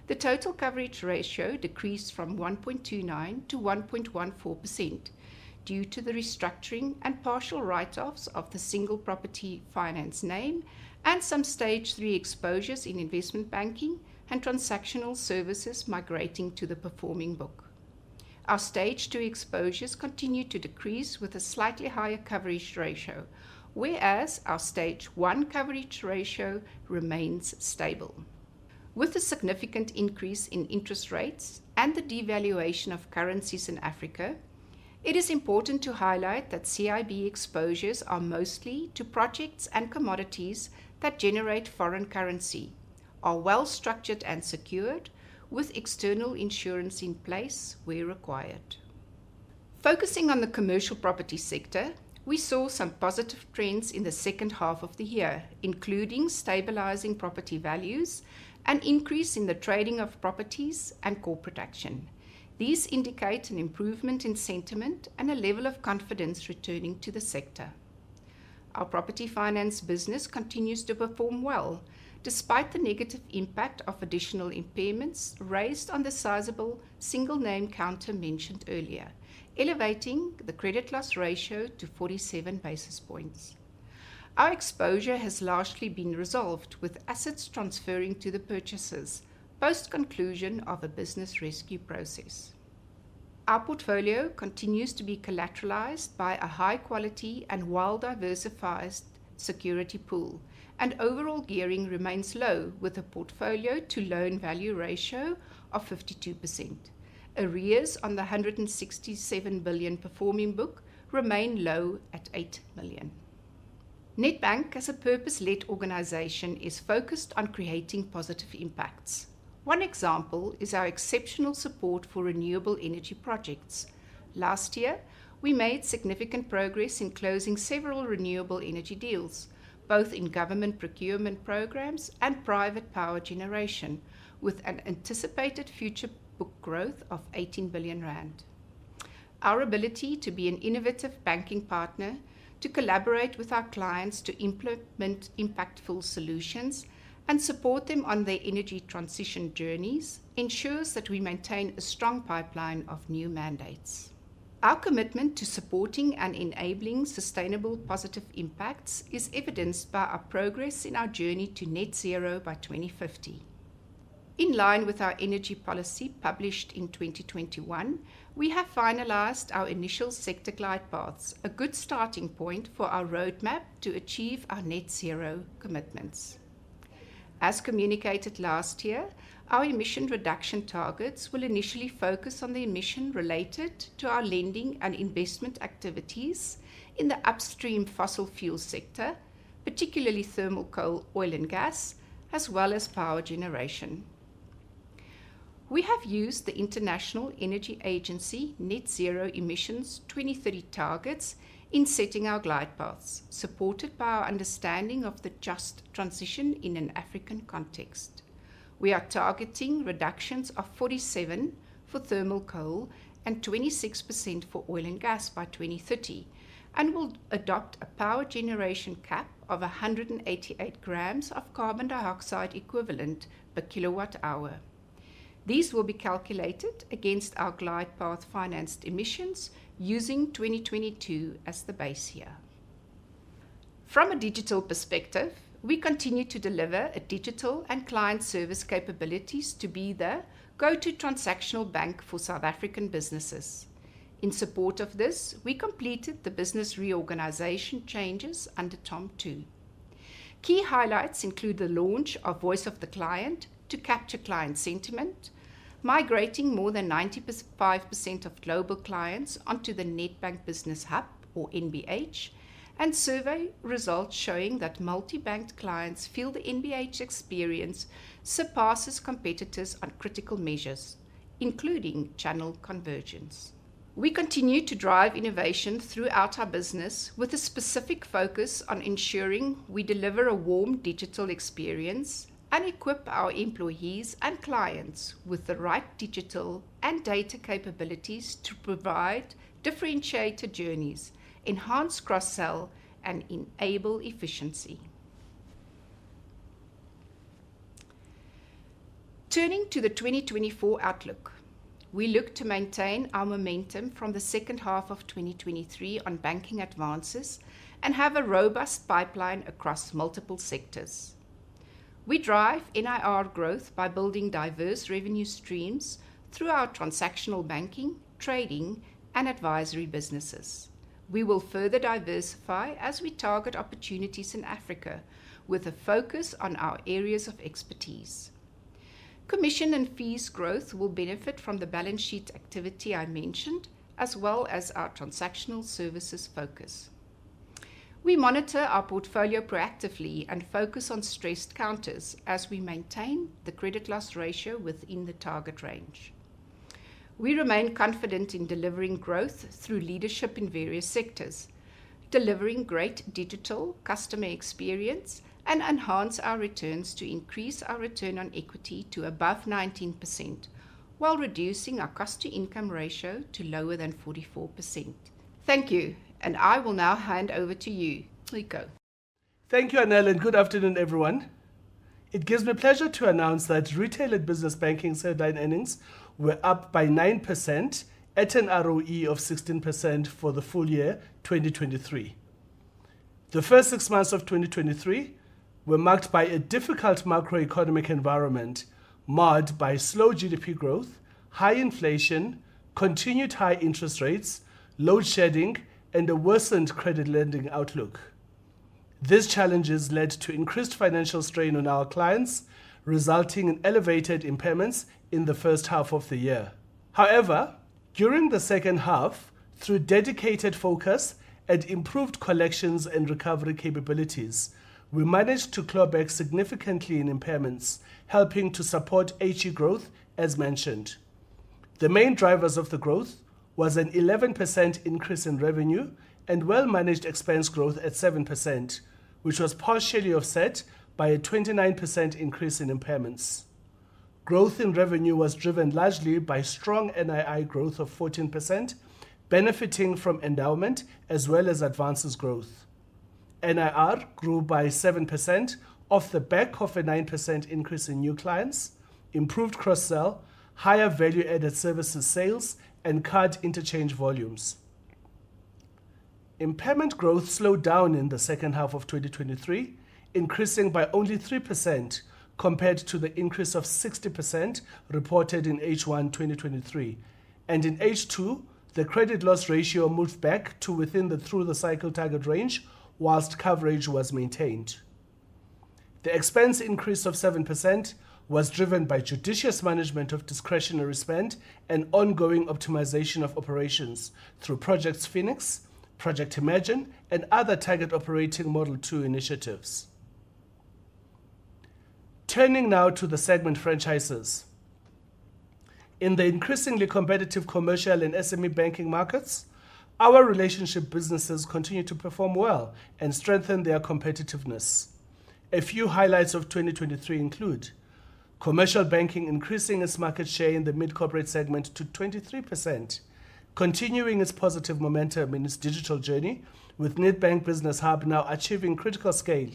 The total coverage ratio decreased from 1.29% to 1.14% due to the restructuring and partial write-offs of the single property finance name and some stage three exposures in investment banking and transactional services migrating to the performing book. Our stage two exposures continue to decrease with a slightly higher coverage ratio, whereas our stage one coverage ratio remains stable. With the significant increase in interest rates and the devaluation of currencies in Africa, it is important to highlight that CIB exposures are mostly to projects and commodities that generate foreign currency, are well structured and secured, with external insurance in place where required. Focusing on the commercial property sector, we saw some positive trends in the second half of the year, including stabilizing property values, an increase in the trading of properties, and core production. These indicate an improvement in sentiment and a level of confidence returning to the sector. Our property finance business continues to perform well, despite the negative impact of additional impairments raised on the sizable single name counter mentioned earlier, elevating the credit loss ratio to 47 basis points. Our exposure has largely been resolved, with assets transferring to the purchasers post conclusion of a business rescue process. Our portfolio continues to be collateralized by a high quality and well-diversified security pool, and overall gearing remains low, with a portfolio to loan value ratio of 52%. Arrears on the 167 billion performing book remain low at 8 billion. Nedbank, as a purpose-led organization, is focused on creating positive impacts. One example is our exceptional support for renewable energy projects. Last year, we made significant progress in closing several renewable energy deals, both in government procurement programs and private power generation, with an anticipated future book growth of 18 billion rand. Our ability to be an innovative banking partner, to collaborate with our clients to implement impactful solutions, and support them on their energy transition journeys ensures that we maintain a strong pipeline of new mandates. Our commitment to supporting and enabling sustainable positive impacts is evidenced by our progress in our journey to net zero by 2050. In line with our energy policy published in 2021, we have finalized our initial sector glide paths, a good starting point for our roadmap to achieve our net zero commitments. As communicated last year, our emission reduction targets will initially focus on the emission related to our lending and investment activities in the upstream fossil fuel sector, particularly thermal coal, oil and gas, as well as power generation. We have used the International Energy Agency net zero emissions 2030 targets in setting our glide paths, supported by our understanding of the just transition in an African context. We are targeting reductions of 47 for thermal coal and 26% for oil and gas by 2030, and will adopt a power generation cap of 188 grams of carbon dioxide equivalent per kilowatt hour. These will be calculated against our glide path financed emissions using 2022 as the base year. From a digital perspective, we continue to deliver a digital and client service capabilities to be the go-to transactional bank for South African businesses. In support of this, we completed the business reorganization changes under TOM 2. Key highlights include the launch of Voice of the Client to capture client sentiment, migrating more than 95% of global clients onto the Nedbank Business Hub, or NBH, and survey results showing that multi-banked clients feel the NBH experience surpasses competitors on critical measures, including channel convergence. We continue to drive innovation throughout our business with a specific focus on ensuring we deliver a warm digital experience and equip our employees and clients with the right digital and data capabilities to provide differentiated journeys, enhance cross-sell, and enable efficiency.... Turning to the 2024 outlook, we look to maintain our momentum from the second half of 2023 on banking advances and have a robust pipeline across multiple sectors. We drive NIR growth by building diverse revenue streams through our transactional banking, trading, and advisory businesses. We will further diversify as we target opportunities in Africa with a focus on our areas of expertise. Commission and fees growth will benefit from the balance sheet activity I mentioned, as well as our transactional services focus. We monitor our portfolio proactively and focus on stressed counters as we maintain the credit loss ratio within the target range. We remain confident in delivering growth through leadership in various sectors, delivering great digital customer experience, and enhance our returns to increase our return on equity to above 19%, while reducing our cost-to-income ratio to lower than 44%. Thank you, and I will now hand over to you, Ciko. Thank you, Anél, and good afternoon, everyone. It gives me pleasure to announce that Retail and Business Banking segment earnings were up by 9% at an ROE of 16% for the full year 2023. The first six months of 2023 were marked by a difficult macroeconomic environment, marred by slow GDP growth, high inflation, continued high interest rates, load shedding, and a worsened credit lending outlook. These challenges led to increased financial strain on our clients, resulting in elevated impairments in the first half of the year. However, during the second half, through dedicated focus and improved collections and recovery capabilities, we managed to claw back significantly in impairments, helping to support HE growth, as mentioned. The main drivers of the growth was an 11% increase in revenue and well-managed expense growth at 7%, which was partially offset by a 29% increase in impairments. Growth in revenue was driven largely by strong NII growth of 14%, benefiting from endowment as well as advances growth. NIR grew by 7% off the back of a 9% increase in new clients, improved cross-sell, higher value-added services sales, and card interchange volumes. Impairment growth slowed down in the second half of 2023, increasing by only 3% compared to the increase of 60% reported in H1 2023. In H2, the credit loss ratio moved back to within the through-the-cycle target range, while coverage was maintained. The expense increase of 7% was driven by judicious management of discretionary spend and ongoing optimization of operations through Project Phoenix, Project Imagine, and other Target Operating Model 2.0 initiatives. Turning now to the segment franchises. In the increasingly competitive commercial and SME banking markets, our relationship businesses continue to perform well and strengthen their competitiveness. A few highlights of 2023 include Commercial Banking increasing its market share in the mid-corporate segment to 23%, continuing its positive momentum in its digital journey with Nedbank Business Hub now achieving critical scale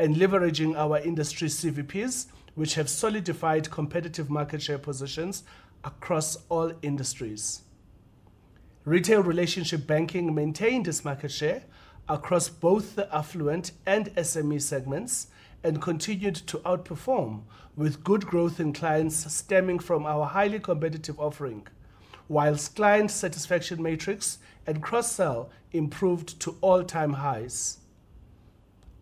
and leveraging our industry CVPs, which have solidified competitive market share positions across all industries. Retail Relationship Banking maintained its market share across both the affluent and SME segments and continued to outperform with good growth in clients stemming from our highly competitive offering, while client satisfaction metrics and cross-sell improved to all-time highs.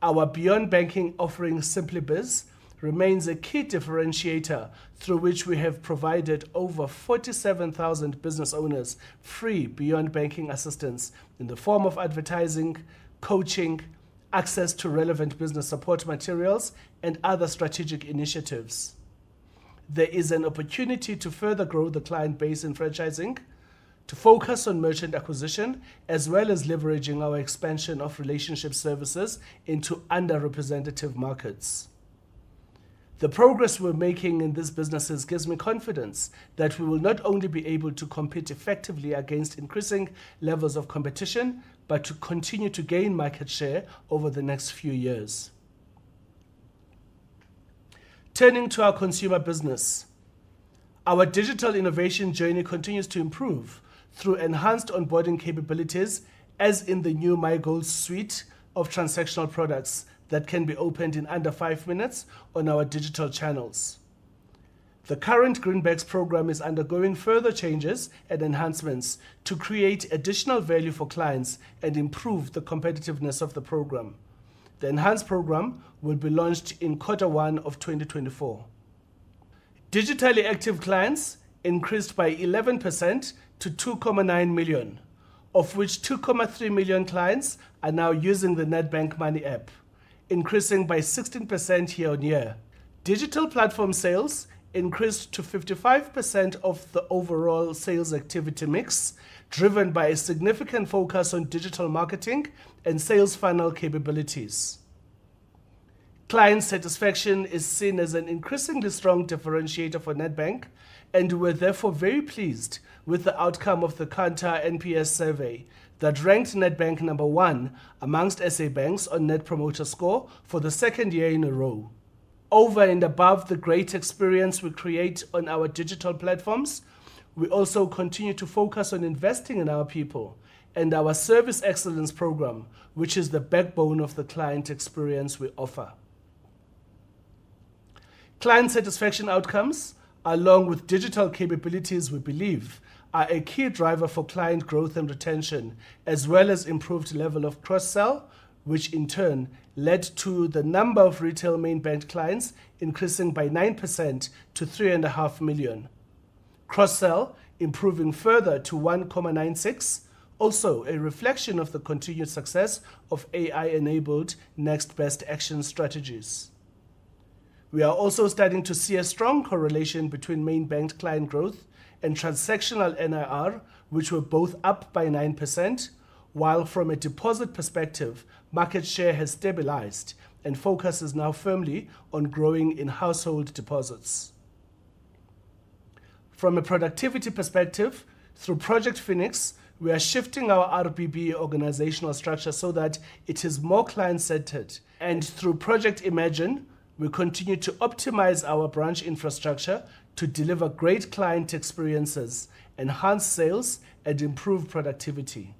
Our beyond banking offering, SimplyBiz, remains a key differentiator through which we have provided over 47,000 business owners free beyond banking assistance in the form of advertising, coaching, access to relevant business support materials, and other strategic initiatives. There is an opportunity to further grow the client base in franchising, to focus on merchant acquisition, as well as leveraging our expansion of relationship services into underrepresentative markets. The progress we're making in these businesses gives me confidence that we will not only be able to compete effectively against increasing levels of competition, but to continue to gain market share over the next few years. Turning to our consumer business, our digital innovation journey continues to improve through enhanced onboarding capabilities, as in the new MiGoals suite of transactional products that can be opened in under five minutes on our digital channels. The current Greenbacks program is undergoing further changes and enhancements to create additional value for clients and improve the competitiveness of the program. The enhanced program will be launched in quarter one of 2024. Digitally active clients increased by 11% to 2.9 million, of which 2.3 million clients are now using the Nedbank Money App, increasing by 16% year-on-year. Digital platform sales increased to 55% of the overall sales activity mix, driven by a significant focus on digital marketing and sales funnel capabilities. Client satisfaction is seen as an increasingly strong differentiator for Nedbank, and we're therefore very pleased with the outcome of the Kantar NPS survey that ranked Nedbank number one amongst SA banks on Net Promoter Score for the second year in a row.... Over and above the great experience we create on our digital platforms, we also continue to focus on investing in our people and our service excellence program, which is the backbone of the client experience we offer. Client satisfaction outcomes, along with digital capabilities, we believe, are a key driver for client growth and retention, as well as improved level of cross-sell, which in turn led to the number of retail main bank clients increasing by 9% to 3.5 million. Cross-sell improving further to 1.96, also a reflection of the continued success of AI-enabled next best action strategies. We are also starting to see a strong correlation between main bank client growth and transactional NIR, which were both up by 9%, while from a deposit perspective, market share has stabilized and focus is now firmly on growing in household deposits. From a productivity perspective, through Project Phoenix, we are shifting our RBB organizational structure so that it is more client-centered, and through Project Imagine, we continue to optimize our branch infrastructure to deliver great client experiences, enhance sales, and improve productivity.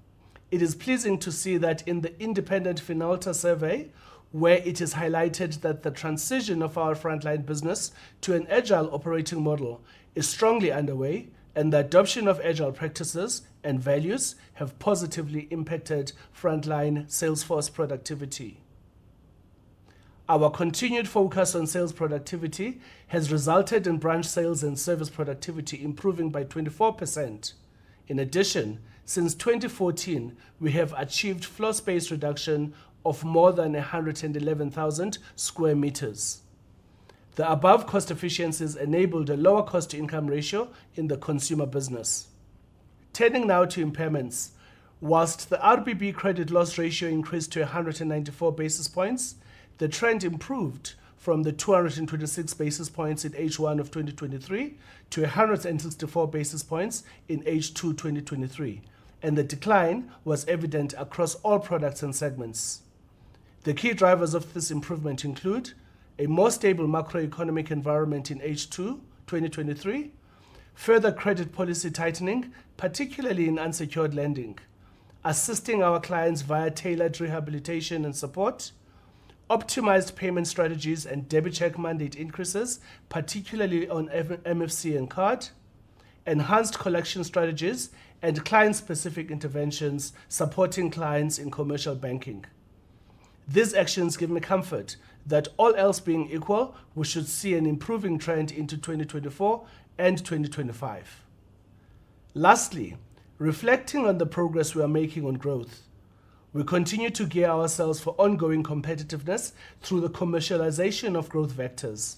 It is pleasing to see that in the independent Finalta survey, where it is highlighted that the transition of our frontline business to an agile operating model is strongly underway, and the adoption of agile practices and values have positively impacted frontline salesforce productivity. Our continued focus on sales productivity has resulted in branch sales and service productivity improving by 24%. In addition, since 2014, we have achieved floor space reduction of more than 111,000 sq m. The above cost efficiencies enabled a lower cost-to-income ratio in the consumer business. Turning now to impairments. While the RBB credit loss ratio increased to 194 basis points, the trend improved from the 226 basis points in H1 of 2023 to 164 basis points in H2 2023, and the decline was evident across all products and segments. The key drivers of this improvement include a more stable macroeconomic environment in H2 2023, further credit policy tightening, particularly in unsecured lending, assisting our clients via tailored rehabilitation and support, optimized payment strategies and DebiCheck mandate increases, particularly on e.g., MFC and card, enhanced collection strategies, and client-specific interventions supporting clients in commercial banking. These actions give me comfort that all else being equal, we should see an improving trend into 2024 and 2025. Lastly, reflecting on the progress we are making on growth, we continue to gear ourselves for ongoing competitiveness through the commercialization of growth vectors.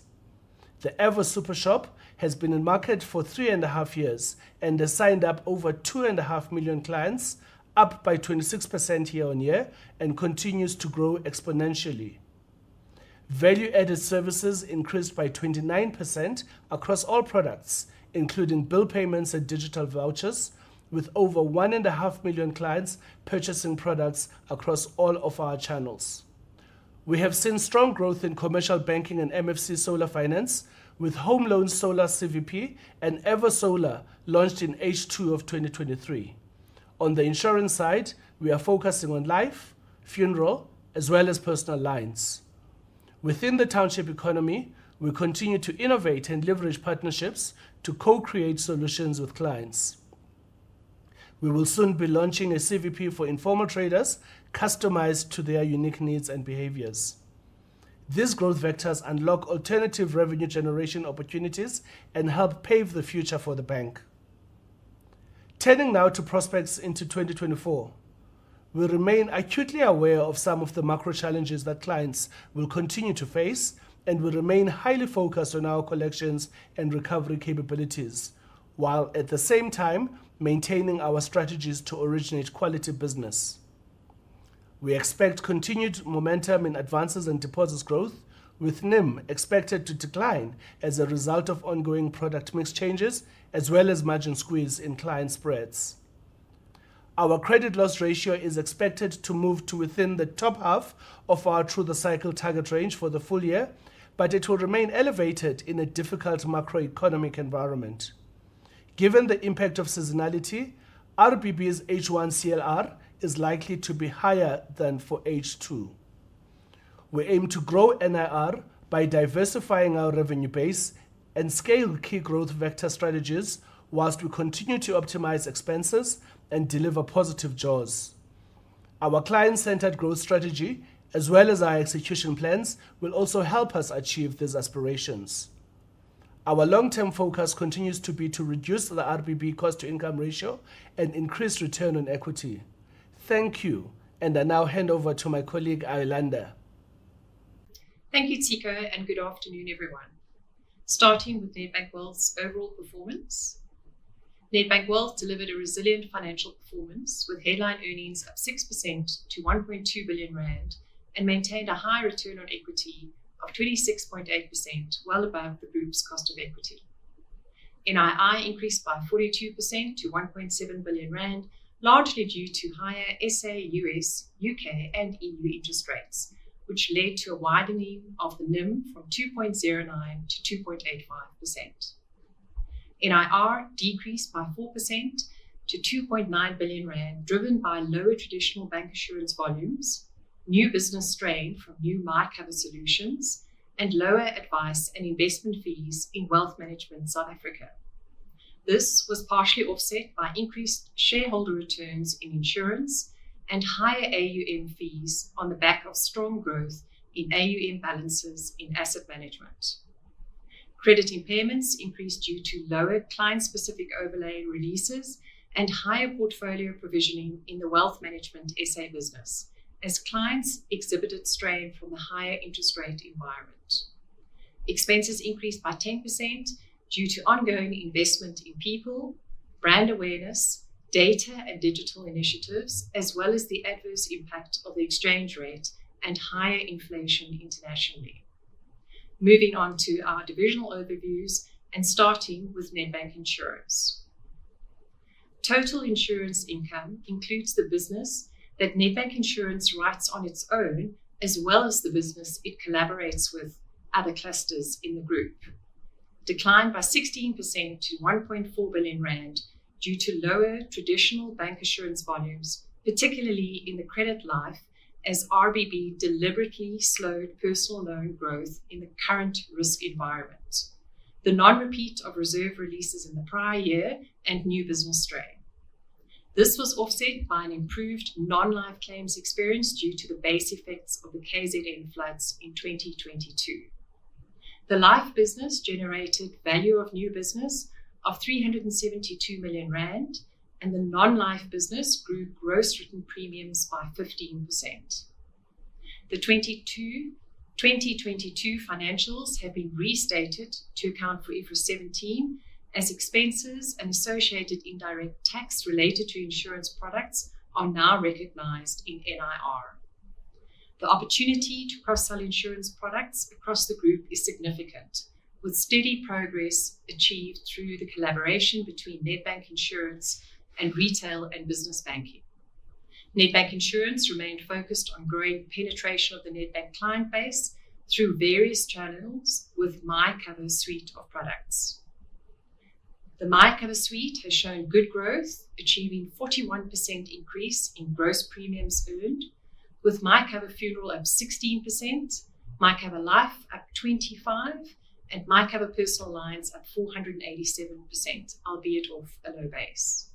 The Avo SuperShop has been in market for 3.5 years and has signed up over 2.5 million clients, up by 26% year-on-year, and continues to grow exponentially. Value-added services increased by 29% across all products, including bill payments and digital vouchers, with over 1.5 million clients purchasing products across all of our channels. We have seen strong growth in commercial banking and MFC solar finance, with home loan solar CVP and Avo Solar launched in H2 of 2023. On the insurance side, we are focusing on life, funeral, as well as personal lines. Within the township economy, we continue to innovate and leverage partnerships to co-create solutions with clients. We will soon be launching a CVP for informal traders, customized to their unique needs and behaviors. These growth vectors unlock alternative revenue generation opportunities and help pave the future for the bank. Turning now to prospects into 2024, we remain acutely aware of some of the macro challenges that clients will continue to face, and we remain highly focused on our collections and recovery capabilities, while at the same time maintaining our strategies to originate quality business. We expect continued momentum in advances and deposits growth, with NIM expected to decline as a result of ongoing product mix changes, as well as margin squeeze in client spreads. Our credit loss ratio is expected to move to within the top half of our through-the-cycle target range for the full year, but it will remain elevated in a difficult macroeconomic environment. Given the impact of seasonality, RBB's H1 CLR is likely to be higher than for H2. We aim to grow NIR by diversifying our revenue base and scale the key growth vector strategies, while we continue to optimize expenses and deliver positive jaws. Our client-centered growth strategy, as well as our execution plans, will also help us achieve these aspirations. Our long-term focus continues to be to reduce the RBB cost-to-income ratio and increase return on equity. Thank you, and I now hand over to my colleague, Iolanda. Thank you, Ciko, and good afternoon, everyone. Starting with Nedbank Wealth's overall performance, Nedbank Wealth delivered a resilient financial performance, with headline earnings up 6% to 1.2 billion rand and maintained a high return on equity of 26.8%, well above the group's cost of equity. NII increased by 42% to 1.7 billion rand, largely due to higher SA, U.S., U.K., and EU interest rates, which led to a widening of the NIM from 2.09% to 2.85%. NIR decreased by 4% to 2.9 billion rand, driven by lower traditional bank assurance volumes, new business strain from new MyCover Solutions, and lower advice and investment fees in Wealth Management South Africa. This was partially offset by increased shareholder returns in insurance and higher AUM fees on the back of strong growth in AUM balances in asset management. Credit impairments increased due to lower client-specific overlay releases and higher portfolio provisioning in the Wealth Management SA business, as clients exhibited strain from the higher interest rate environment. Expenses increased by 10% due to ongoing investment in people, brand awareness, data and digital initiatives, as well as the adverse impact of the exchange rate and higher inflation internationally. Moving on to our divisional overviews and starting with Nedbank Insurance. Total insurance income includes the business that Nedbank Insurance writes on its own, as well as the business it collaborates with other clusters in the group. Declined by 16% to 1.4 billion rand due to lower traditional bank assurance volumes, particularly in the credit life, as RBB deliberately slowed personal loan growth in the current risk environment, the non-repeat of reserve releases in the prior year, and new business strain. This was offset by an improved non-life claims experience due to the base effects of the KZN floods in 2022. The life business generated value of new business of 372 million rand, and the non-life business grew gross written premiums by 15%. The 22, 2022 financials have been restated to account for IFRS 17, as expenses and associated indirect tax related to insurance products are now recognized in NIR. The opportunity to cross-sell insurance products across the group is significant, with steady progress achieved through the collaboration between Nedbank Insurance and Retail and Business Banking. Nedbank Insurance remained focused on growing penetration of the Nedbank client base through various channels with MyCover suite of products. The MyCover suite has shown good growth, achieving 41% increase in gross premiums earned, with MyCover Funeral up 16%, MyCover Life up 25%, and MyCover Personal Lines up 487%, albeit off a low base.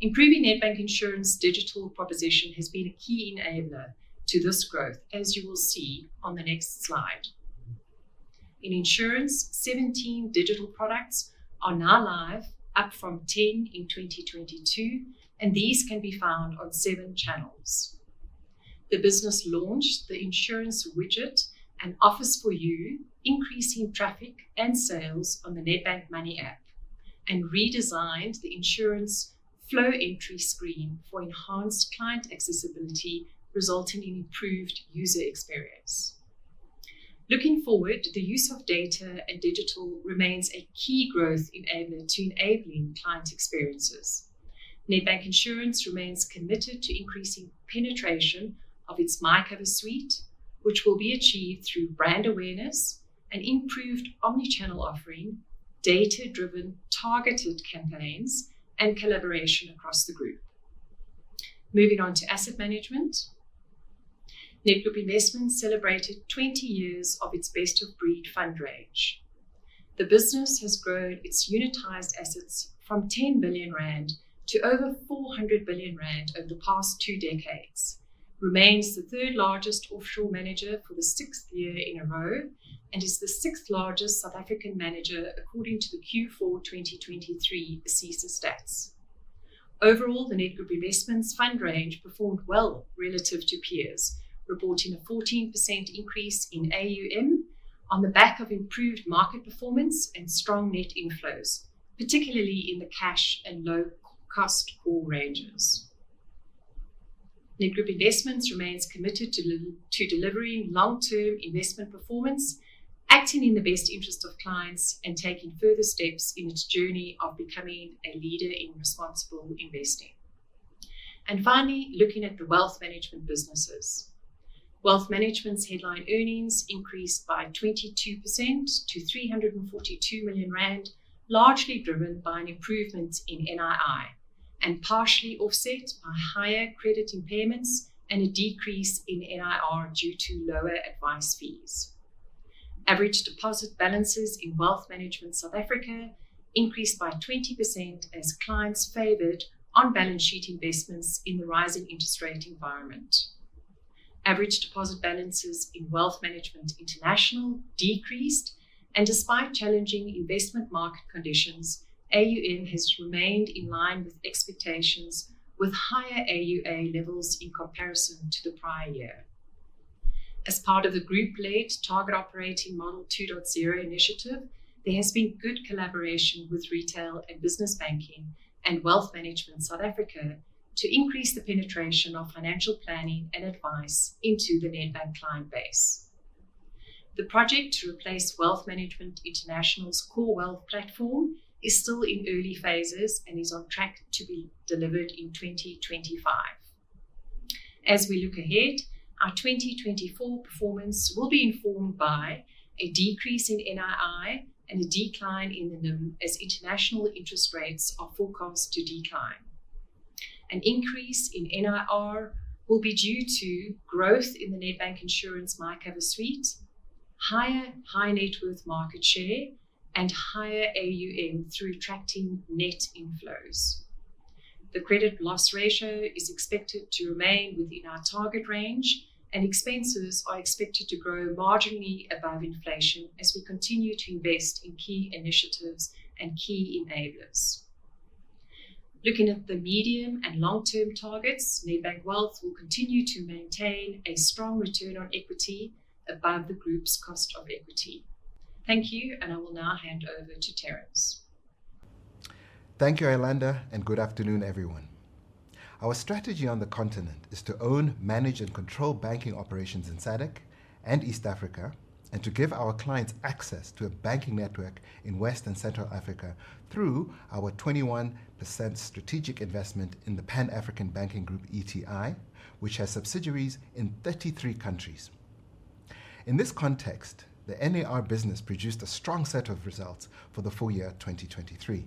Improving Nedbank Insurance digital proposition has been a key enabler to this growth, as you will see on the next slide. In insurance, 17 digital products are now live, up from 10 in 2022, and these can be found on seven channels. The business launched the insurance widget and offers for you, increasing traffic and sales on the Nedbank Money App, and redesigned the insurance flow entry screen for enhanced client accessibility, resulting in improved user experience. Looking forward, the use of data and digital remains a key growth enabler to enabling client experiences. Nedbank Insurance remains committed to increasing penetration of its MyCover suite, which will be achieved through brand awareness, an improved omni-channel offering, data-driven targeted campaigns, and collaboration across the group. Moving on to asset management. Nedgroup Investments celebrated 20 years of its best of breed fund range. The business has grown its unitized assets from 10 billion rand to over 400 billion rand over the past two decades, remains the third-largest offshore manager for the 6th year in a row, and is the 6th-largest South African manager, according to the Q4 2023 ASISA stats. Overall, the Nedgroup Investments fund range performed well relative to peers, reporting a 14% increase in AUM on the back of improved market performance and strong net inflows, particularly in the cash and low cost core ranges. Nedgroup Investments remains committed to delivering long-term investment performance, acting in the best interest of clients, and taking further steps in its journey of becoming a leader in responsible investing. And finally, looking at the wealth management businesses. Wealth management's headline earnings increased by 22% to 342 million rand, largely driven by an improvement in NII and partially offset by higher credit impairments and a decrease in NIR due to lower advice fees. Average deposit balances in Wealth Management South Africa increased by 20% as clients favored on-balance sheet investments in the rising interest rate environment. Average deposit balances in Wealth Management International decreased, and despite challenging investment market conditions, AUM has remained in line with expectations, with higher AUA levels in comparison to the prior year. As part of the group-led Target Operating Model 2.0 initiative, there has been good collaboration with Retail and Business Banking and Wealth Management South Africa to increase the penetration of financial planning and advice into the Nedbank client base. The project to replace Wealth Management International's core wealth platform is still in early phases and is on track to be delivered in 2025. As we look ahead, our 2024 performance will be informed by a decrease in NII and a decline in the NIM, as international interest rates are forecast to decline. An increase in NIR will be due to growth in the Nedbank Insurance MyCover suite, higher high-net-worth market share, and higher AUM through attracting net inflows. The credit loss ratio is expected to remain within our target range, and expenses are expected to grow marginally above inflation as we continue to invest in key initiatives and key enablers. Looking at the medium and long-term targets, Nedbank Wealth will continue to maintain a strong return on equity above the group's cost of equity. Thank you, and I will now hand over to Terence. Thank you, Iolanda, and good afternoon, everyone. Our strategy on the continent is to own, manage, and control banking operations in SADC and East Africa, and to give our clients access to a banking network in West and Central Africa through our 21% strategic investment in the Pan African Banking Group, ETI, which has subsidiaries in 33 countries. In this context, the NAR business produced a strong set of results for the full year 2023,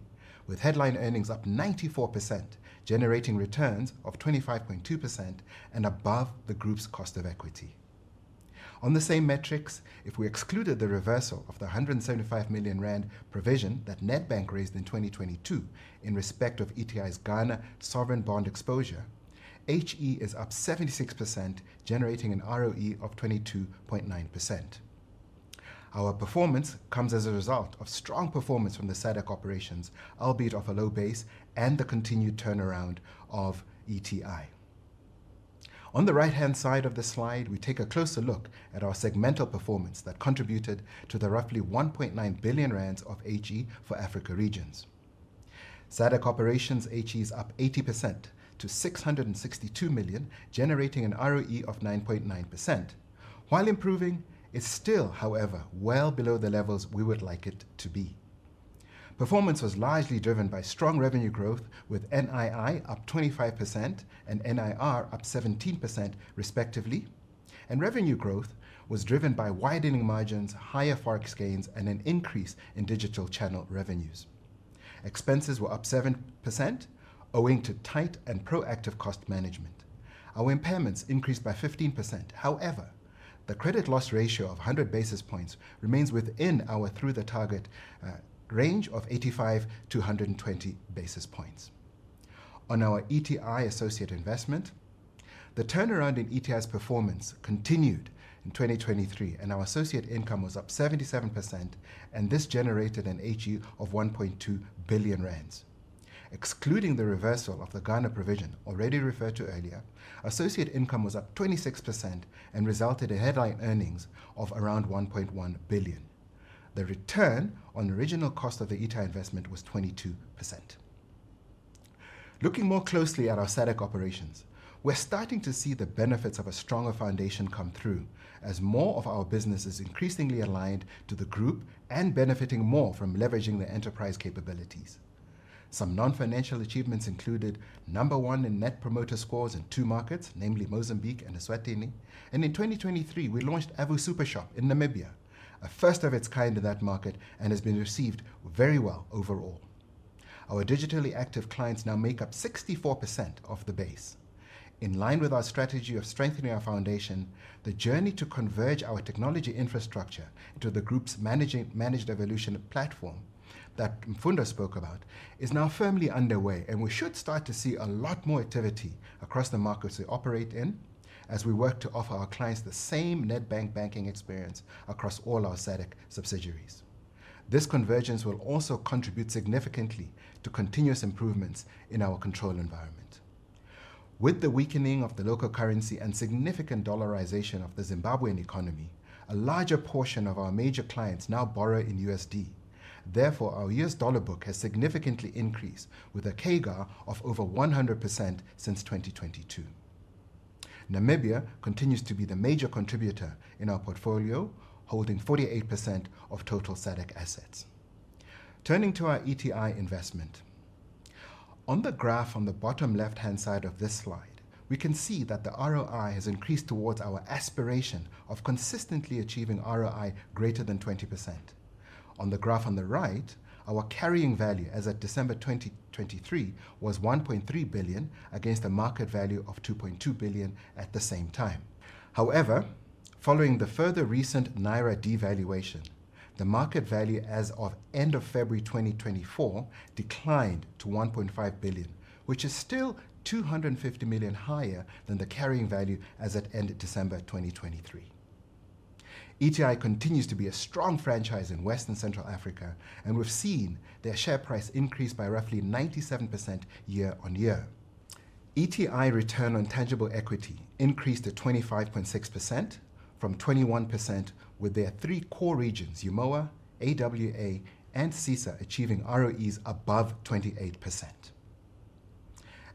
with headline earnings up 94%, generating returns of 25.2% and above the group's cost of equity. On the same metrics, if we excluded the reversal of the 175 million rand provision that Nedbank raised in 2022 in respect of ETI's Ghana sovereign bond exposure, HE is up 76%, generating an ROE of 22.9%. Our performance comes as a result of strong performance from the SADC operations, albeit off a low base, and the continued turnaround of ETI. On the right-hand side of the slide, we take a closer look at our segmental performance that contributed to the roughly 1.9 billion rand of HE for Africa Regions. SADC operations HE is up 80% to 662 million, generating an ROE of 9.9%. While improving, it's still, however, well below the levels we would like it to be. Performance was largely driven by strong revenue growth, with NII up 25% and NIR up 17%, respectively, and revenue growth was driven by widening margins, higher forex gains, and an increase in digital channel revenues. Expenses were up 7%, owing to tight and proactive cost management. Our impairments increased by 15%. However, the credit loss ratio of 100 basis points remains within our through-the-target range of 85-120 basis points. On our ETI associate investment, the turnaround in ETI's performance continued in 2023, and our associate income was up 77%, and this generated an HE of 1.2 billion rand. Excluding the reversal of the Ghana provision already referred to earlier, associate income was up 26% and resulted in headline earnings of around 1.1 billion. The return on original cost of the ETI investment was 22%. Looking more closely at our SADC operations, we're starting to see the benefits of a stronger foundation come through as more of our business is increasingly aligned to the group and benefiting more from leveraging the enterprise capabilities. Some non-financial achievements included 1st in Net Promoter scores in two markets, namely Mozambique and Eswatini, and in 2023, we launched Avo SuperShop in Namibia, a first of its kind in that market, and has been received very well overall. Our digitally active clients now make up 64% of the base. In line with our strategy of strengthening our foundation, the journey to converge our technology infrastructure to the Group's Managed Evolution platform that Mfundo spoke about is now firmly underway, and we should start to see a lot more activity across the markets we operate in as we work to offer our clients the same Nedbank banking experience across all our SADC subsidiaries. This convergence will also contribute significantly to continuous improvements in our control environment. With the weakening of the local currency and significant dollarization of the Zimbabwean economy, a larger portion of our major clients now borrow in USD. Therefore, our US dollar book has significantly increased, with a CAGR of over 100% since 2022. Namibia continues to be the major contributor in our portfolio, holding 48% of total SADC assets. Turning to our ETI investment, on the graph on the bottom left-hand side of this slide, we can see that the ROI has increased towards our aspiration of consistently achieving ROI greater than 20%. On the graph on the right, our carrying value as at December 2023 was 1.3 billion against a market value of 2.2 billion at the same time. However, following the further recent Naira devaluation, the market value as of end of February 2024 declined to 1.5 billion, which is still 250 million higher than the carrying value as at end of December 2023. ETI continues to be a strong franchise in West and Central Africa, and we've seen their share price increase by roughly 97% year-on-year. ETI return on tangible equity increased to 25.6% from 21%, with their three core regions, UEMOA, AWA, and CESA, achieving ROEs above 28%....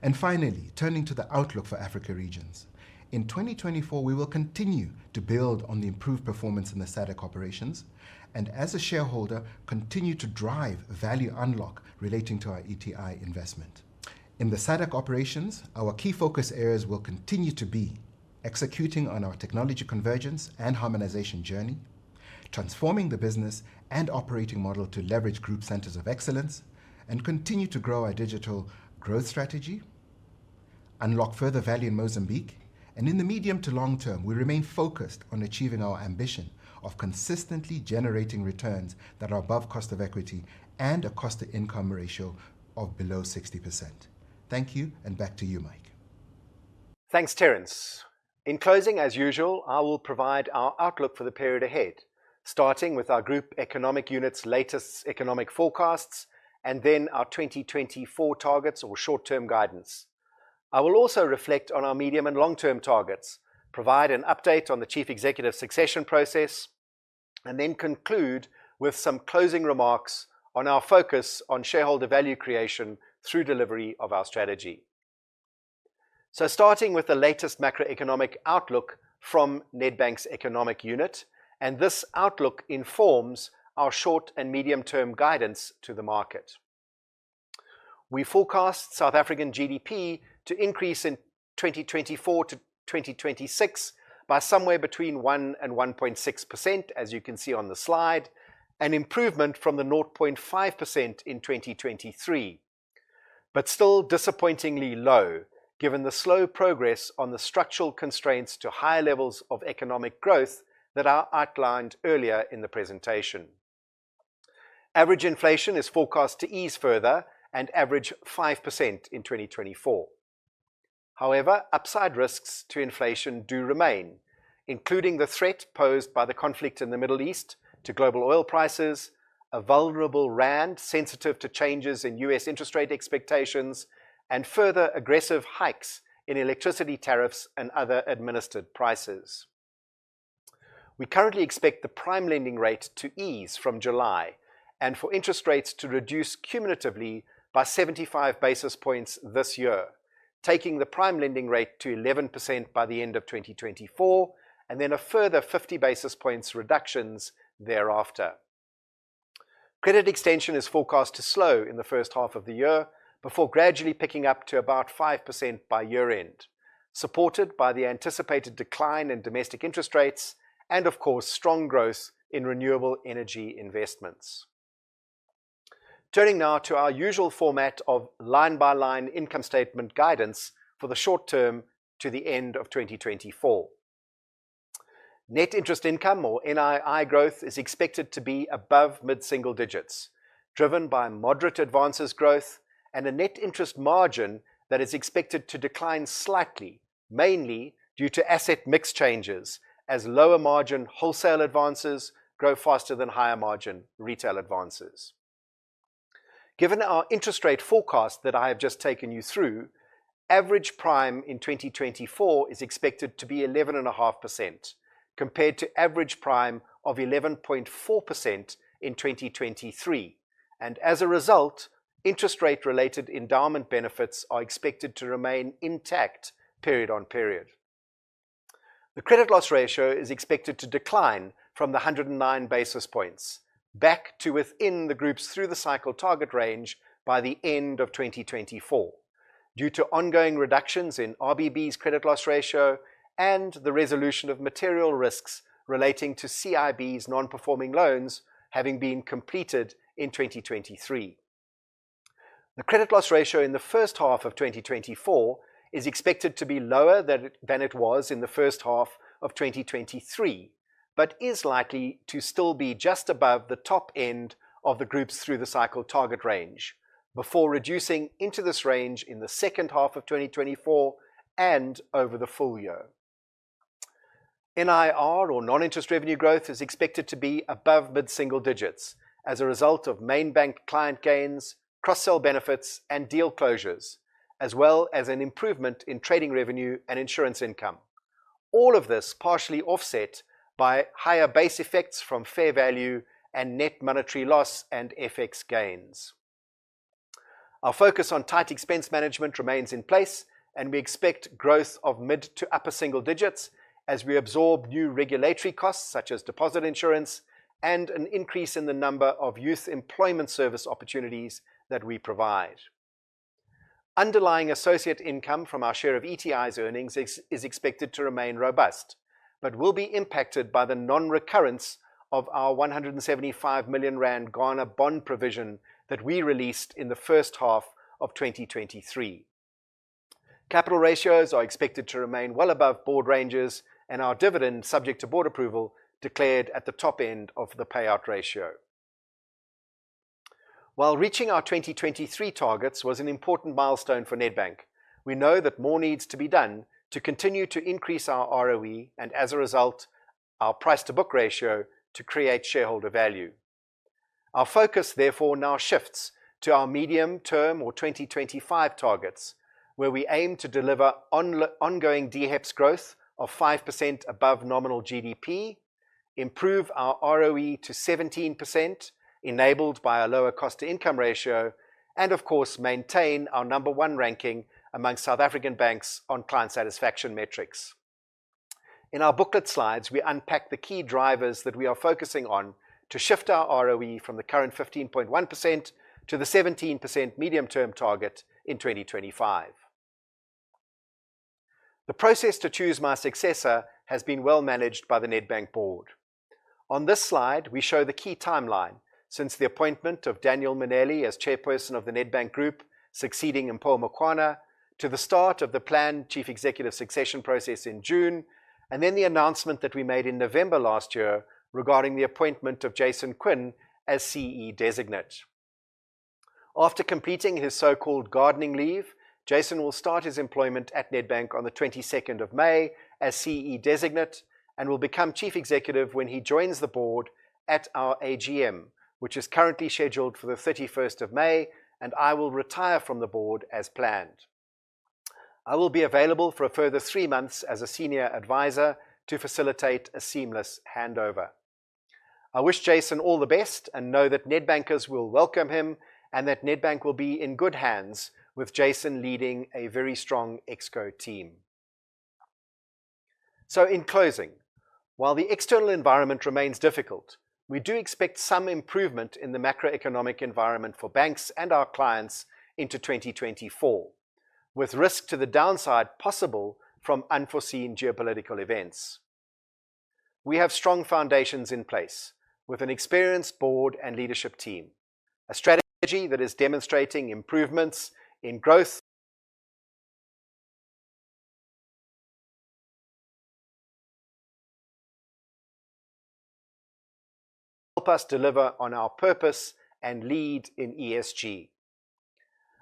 And finally, turning to the outlook for Africa regions. In 2024, we will continue to build on the improved performance in the SADC operations, and as a shareholder, continue to drive value unlock relating to our ETI investment. In the SADC operations, our key focus areas will continue to be executing on our technology convergence and harmonization journey, transforming the business and operating model to leverage group centers of excellence, and continue to grow our digital growth strategy, unlock further value in Mozambique, and in the medium to long term, we remain focused on achieving our ambition of consistently generating returns that are above cost of equity and a cost-to-income ratio of below 60%. Thank you, and back to you, Mike. Thanks, Terence. In closing, as usual, I will provide our outlook for the period ahead, starting with our group economic unit's latest economic forecasts and then our 2024 targets or short-term guidance. I will also reflect on our medium and long-term targets, provide an update on the Chief Executive succession process, and then conclude with some closing remarks on our focus on shareholder value creation through delivery of our strategy. Starting with the latest macroeconomic outlook from Nedbank's economic unit, and this outlook informs our short and medium-term guidance to the market. We forecast South African GDP to increase in 2024 to 2026 by somewhere between 1% and 1.6%, as you can see on the slide, an improvement from the 0.5% in 2023, but still disappointingly low, given the slow progress on the structural constraints to higher levels of economic growth that I outlined earlier in the presentation. Average inflation is forecast to ease further and average 5% in 2024. However, upside risks to inflation do remain, including the threat posed by the conflict in the Middle East to global oil prices, a vulnerable rand sensitive to changes in U.S. interest rate expectations, and further aggressive hikes in electricity tariffs and other administered prices. We currently expect the prime lending rate to ease from July and for interest rates to reduce cumulatively by 75 basis points this year, taking the prime lending rate to 11% by the end of 2024, and then a further 50 basis points reductions thereafter. Credit extension is forecast to slow in the first half of the year before gradually picking up to about 5% by year-end, supported by the anticipated decline in domestic interest rates and, of course, strong growth in renewable energy investments. Turning now to our usual format of line-by-line income statement guidance for the short term to the end of 2024. Net interest income or NII growth is expected to be above mid-single digits, driven by moderate advances growth and a net interest margin that is expected to decline slightly, mainly due to asset mix changes as lower margin wholesale advances grow faster than higher margin retail advances. Given our interest rate forecast that I have just taken you through, average prime in 2024 is expected to be 11.5%, compared to average prime of 11.4% in 2023, and as a result, interest rate-related endowment benefits are expected to remain intact period on period. The credit loss ratio is expected to decline from 109 basis points back to within the Group's through-the-cycle target range by the end of 2024, due to ongoing reductions in RBB's credit loss ratio and the resolution of material risks relating to CIB's non-performing loans having been completed in 2023. The credit loss ratio in the first half of 2024 is expected to be lower than it was in the first half of 2023, but is likely to still be just above the top end of the Group's through-the-cycle target range before reducing into this range in the second half of 2024 and over the full year. NIR, or non-interest revenue growth, is expected to be above mid-single digits as a result of main bank client gains, cross-sell benefits, and deal closures, as well as an improvement in trading revenue and insurance income. All of this partially offset by higher base effects from fair value and net monetary loss and FX gains. Our focus on tight expense management remains in place, and we expect growth of mid to upper single digits as we absorb new regulatory costs, such as deposit insurance and an increase in the number of Youth Employment Service opportunities that we provide. Underlying associate income from our share of ETI's earnings is expected to remain robust but will be impacted by the non-recurrence of our 175 million rand Ghana bond provision that we released in the first half of 2023. Capital ratios are expected to remain well above board ranges, and our dividend, subject to board approval, declared at the top end of the payout ratio. While reaching our 2023 targets was an important milestone for Nedbank, we know that more needs to be done to continue to increase our ROE, and as a result, our price-to-book ratio to create shareholder value. Our focus, therefore, now shifts to our medium term or 2025 targets, where we aim to deliver ongoing DHEPS growth of 5% above nominal GDP, improve our ROE to 17%, enabled by a lower cost-to-income ratio, and of course, maintain our number one ranking among South African banks on client satisfaction metrics. In our booklet slides, we unpack the key drivers that we are focusing on to shift our ROE from the current 15.1% to the 17% medium-term target in 2025. The process to choose my successor has been well managed by the Nedbank board. On this slide, we show the key timeline since the appointment of Daniel Mminele as chairperson of the Nedbank Group, succeeding Mpho Makwana, to the start of the planned chief executive succession process in June, and then the announcement that we made in November last year regarding the appointment of Jason Quinn as CE designate. After completing his so-called gardening leave, Jason will start his employment at Nedbank on the 22nd of May as CE designate, and will become Chief Executive when he joins the board at our AGM, which is currently scheduled for the 31st of May, and I will retire from the board as planned. I will be available for a further three months as a senior advisor to facilitate a seamless handover. I wish Jason all the best and know that Nedbankers will welcome him, and that Nedbank will be in good hands with Jason leading a very strong ExCo team. So in closing, while the external environment remains difficult, we do expect some improvement in the macroeconomic environment for banks and our clients into 2024, with risk to the downside possible from unforeseen geopolitical events. We have strong foundations in place, with an experienced board and leadership team, a strategy that is demonstrating improvements in growth to help us deliver on our purpose and lead in ESG.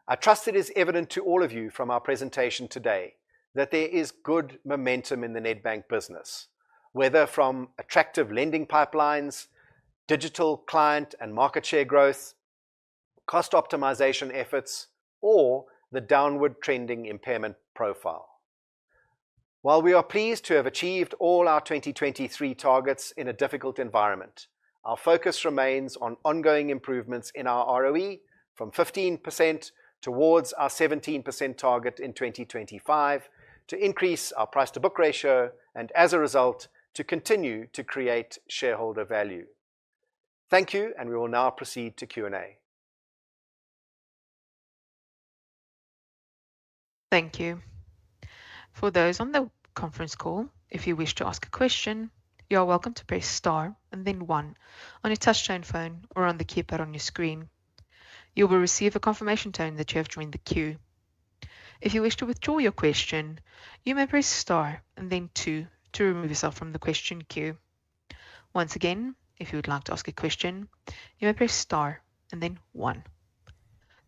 I trust it is evident to all of you from our presentation today that there is good momentum in the Nedbank business, whether from attractive lending pipelines, digital client and market share growth, cost optimization efforts, or the downward trending impairment profile. While we are pleased to have achieved all our 2023 targets in a difficult environment, our focus remains on ongoing improvements in our ROE from 15% towards our 17% target in 2025, to increase our price-to-book ratio, and as a result, to continue to create shareholder value. Thank you, and we will now proceed to Q&A. Thank you. For those on the conference call, if you wish to ask a question, you are welcome to press star and then one on your touchtone phone or on the keypad on your screen. You will receive a confirmation tone that you have joined the queue. If you wish to withdraw your question, you may press star and then two to remove yourself from the question queue. Once again, if you would like to ask a question, you may press star and then one.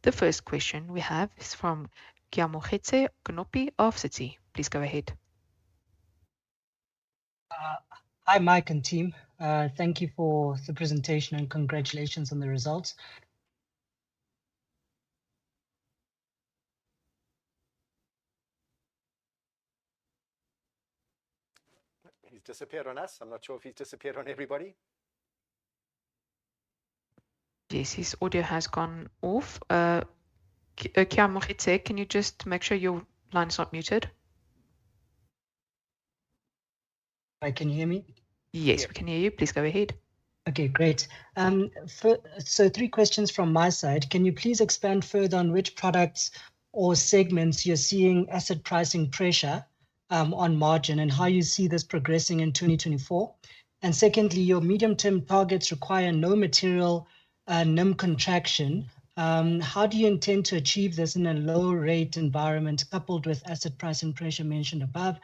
The first question we have is from Keamogetse Konopi of Citi. Please go ahead. Hi, Mike and team. Thank you for the presentation, and congratulations on the results. He's disappeared on us. I'm not sure if he's disappeared on everybody. Yes, his audio has gone off. Keamogetse, can you just make sure your line is not muted? Hi, can you hear me? Yes, we can hear you. Please go ahead. Okay, great. So three questions from my side. Can you please expand further on which products or segments you're seeing asset pricing pressure on margin, and how you see this progressing in 2024? And secondly, your medium-term targets require no material NIM contraction. How do you intend to achieve this in a lower rate environment, coupled with asset pricing pressure mentioned above?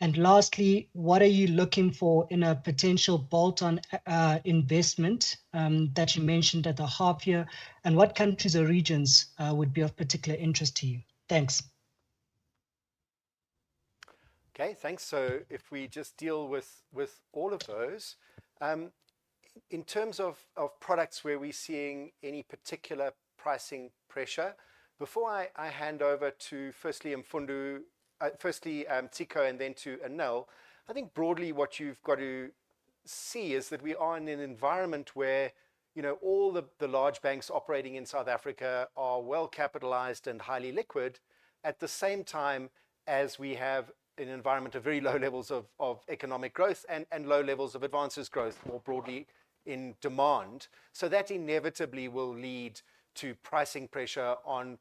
And lastly, what are you looking for in a potential bolt-on investment that you mentioned at the half year, and what countries or regions would be of particular interest to you? Thanks. Okay, thanks. So if we just deal with all of those. In terms of products, where we're seeing any particular pricing pressure, before I hand over to firstly Mfundo, firstly Ciko, and then to Anél, I think broadly what you've got to see is that we are in an environment where, you know, all the large banks operating in South Africa are well capitalized and highly liquid, at the same time as we have an environment of very low levels of economic growth and low levels of advances growth, more broadly in demand. So that inevitably will lead to pricing pressure on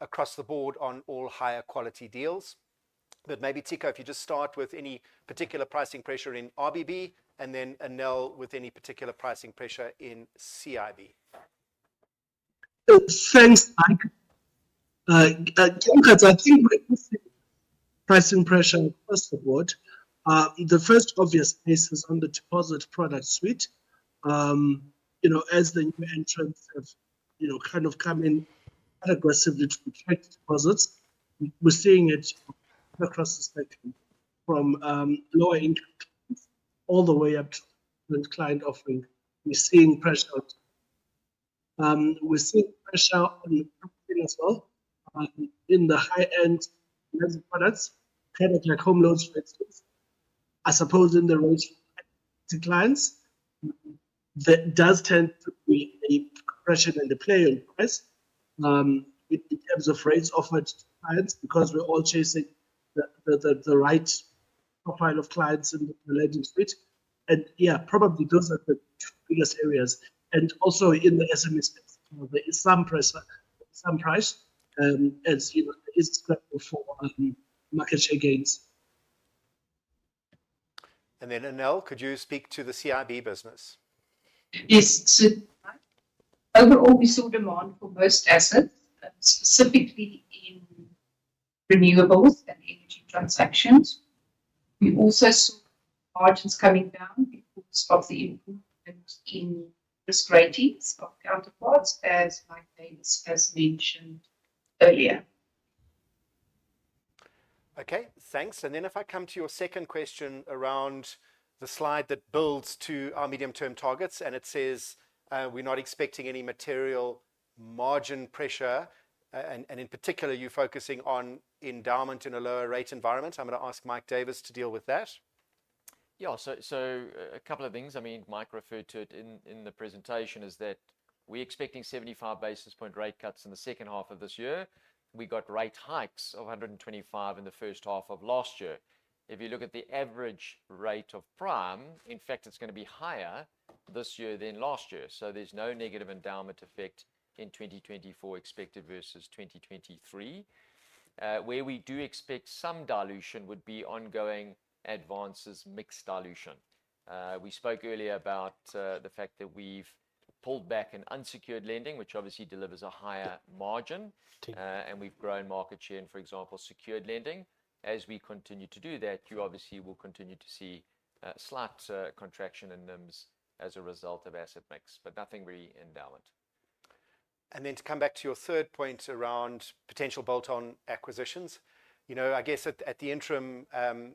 across the board on all higher quality deals. But maybe, Ciko, if you just start with any particular pricing pressure in RBB and then, Anél, with any particular pricing pressure in CIB. So thanks, Mike. Keamogetse, I think we're seeing pricing pressure across the board. The first obvious place is on the deposit product suite. You know, as the new entrants have, you know, kind of come in aggressively to attract deposits, we're seeing it across the spectrum, from low-income clients all the way up to the client offering. We're seeing pressure on the assets as well, in the high-end products, kind of like home loans, for instance. I suppose in the loans to clients, that does tend to be a pressure in the play on price, in terms of rates offered to clients, because we're all chasing the right profile of clients and relating to it. Yeah, probably those are the two biggest areas. Also in the SMS space, there is some pressure, some price, as you know, is critical for market share gains. Anél, could you speak to the CIB business? Yes, so overall, we saw demand for most assets, specifically in renewables and energy transactions. We also saw margins coming down because of the improvement in risk ratings of counterparts, as Mike Davis has mentioned earlier. Okay, thanks. And then if I come to your second question around the slide that builds to our medium-term targets, and it says, we're not expecting any material margin pressure, and in particular, you're focusing on endowment in a lower rate environment. I'm gonna ask Mike Davis to deal with that. Yeah. So a couple of things, I mean, Mike referred to it in the presentation, is that we're expecting 75 basis points rate cuts in the second half of this year. We got rate hikes of 125 in the first half of last year. If you look at the average rate of prime, in fact, it's gonna be higher this year than last year, so there's no negative endowment effect in 2024 expected versus 2023. Where we do expect some dilution would be ongoing advances, mix dilution. We spoke earlier about the fact that we've pulled back in unsecured lending, which obviously delivers a higher margin. Yeah. We've grown market share in, for example, secured lending. As we continue to do that, you obviously will continue to see slight contraction in NIMS as a result of asset mix, but nothing really in balance. And then to come back to your third point around potential bolt-on acquisitions, you know, I guess at the interim,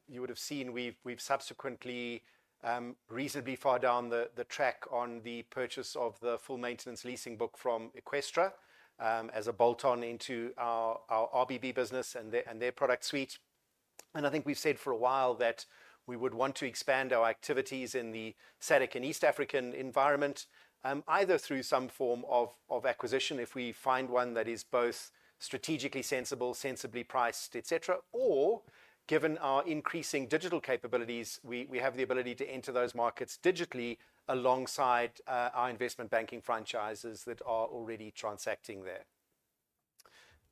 you would have seen we've subsequently reasonably far down the track on the purchase of the full maintenance leasing book from Eqstra, as a bolt-on into our RBB business and their product suite. And I think we've said for a while that we would want to expand our activities in the SADC and East African environment, either through some form of acquisition, if we find one that is both strategically sensible, sensibly priced, et cetera, or given our increasing digital capabilities, we have the ability to enter those markets digitally alongside our investment banking franchises that are already transacting there.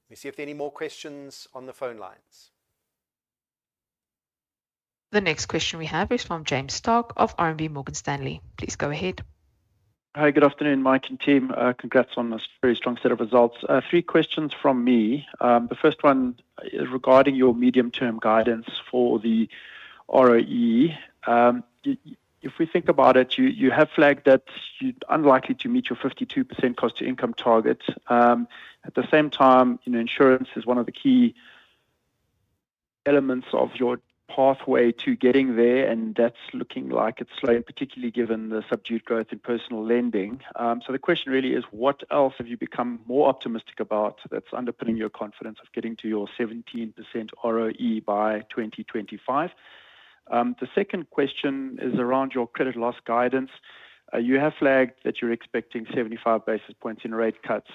Let me see if there are any more questions on the phone lines. The next question we have is from James Starke of RMB Morgan Stanley. Please go ahead. Hi, good afternoon, Mike and team. Congrats on this very strong set of results. Three questions from me. The first one is regarding your medium-term guidance for the ROE. If we think about it, you, you have flagged that you're unlikely to meet your 52% cost to income target. At the same time, you know, insurance is one of the key elements of your pathway to getting there, and that's looking like it's slow, and particularly given the subdued growth in personal lending. So the question really is, what else have you become more optimistic about that's underpinning your confidence of getting to your 17% ROE by 2025? The second question is around your credit loss guidance. You have flagged that you're expecting 75 basis points in rate cuts.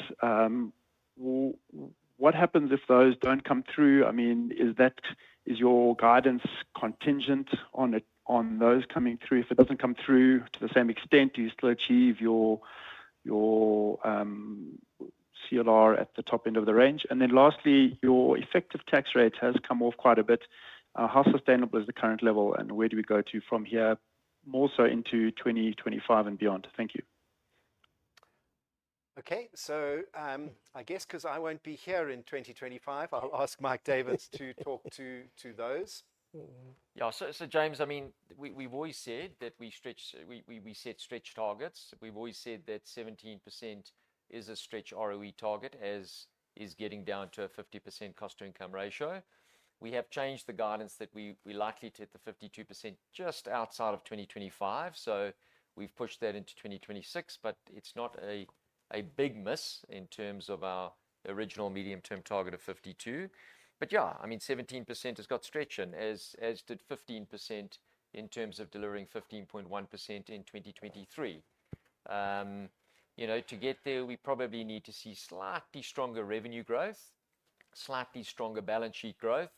What happens if those don't come through? I mean, is that... Is your guidance contingent on it, on those coming through? If it doesn't come through to the same extent, do you still achieve your, your, CLR at the top end of the range? And then lastly, your effective tax rate has come off quite a bit. How sustainable is the current level, and where do we go to from here, more so into 2025 and beyond? Thank you. Okay. So, I guess because I won't be here in 2025, I'll ask Mike Davis to talk to those. Yeah. So, James, I mean, we've always said that we set stretch targets. We've always said that 17% is a stretch ROE target, as is getting down to a 50% cost-to-income ratio. We have changed the guidance that we likely to hit the 52% just outside of 2025, so we've pushed that into 2026. But it's not a big miss in terms of our original medium-term target of 52%. But yeah, I mean, 17% has got stretch in, as did 15% in terms of delivering 15.1% in 2023. You know, to get there, we probably need to see slightly stronger revenue growth, slightly stronger balance sheet growth,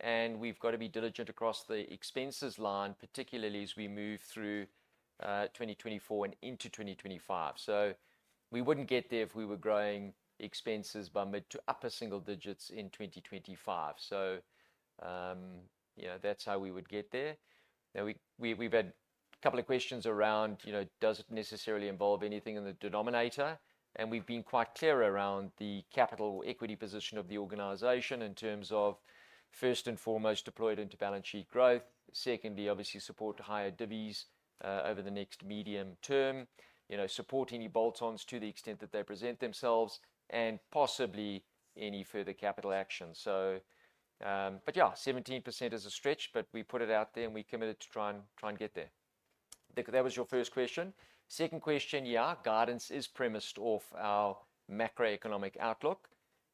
and we've got to be diligent across the expenses line, particularly as we move through 2024 and into 2025. So we wouldn't get there if we were growing expenses by mid to upper single digits in 2025. So, yeah, that's how we would get there. Now, we've had a couple of questions around, you know, does it necessarily involve anything in the denominator? And we've been quite clear around the capital equity position of the organization in terms of, first and foremost, deployed into balance sheet growth. Secondly, obviously, support higher divvies, over the next medium term. You know, support any bolt-ons to the extent that they present themselves and possibly any further capital action. So, but yeah, 17% is a stretch, but we put it out there, and we committed to try and, try and get there.... That was your first question. Second question, yeah, guidance is premised off our macroeconomic outlook.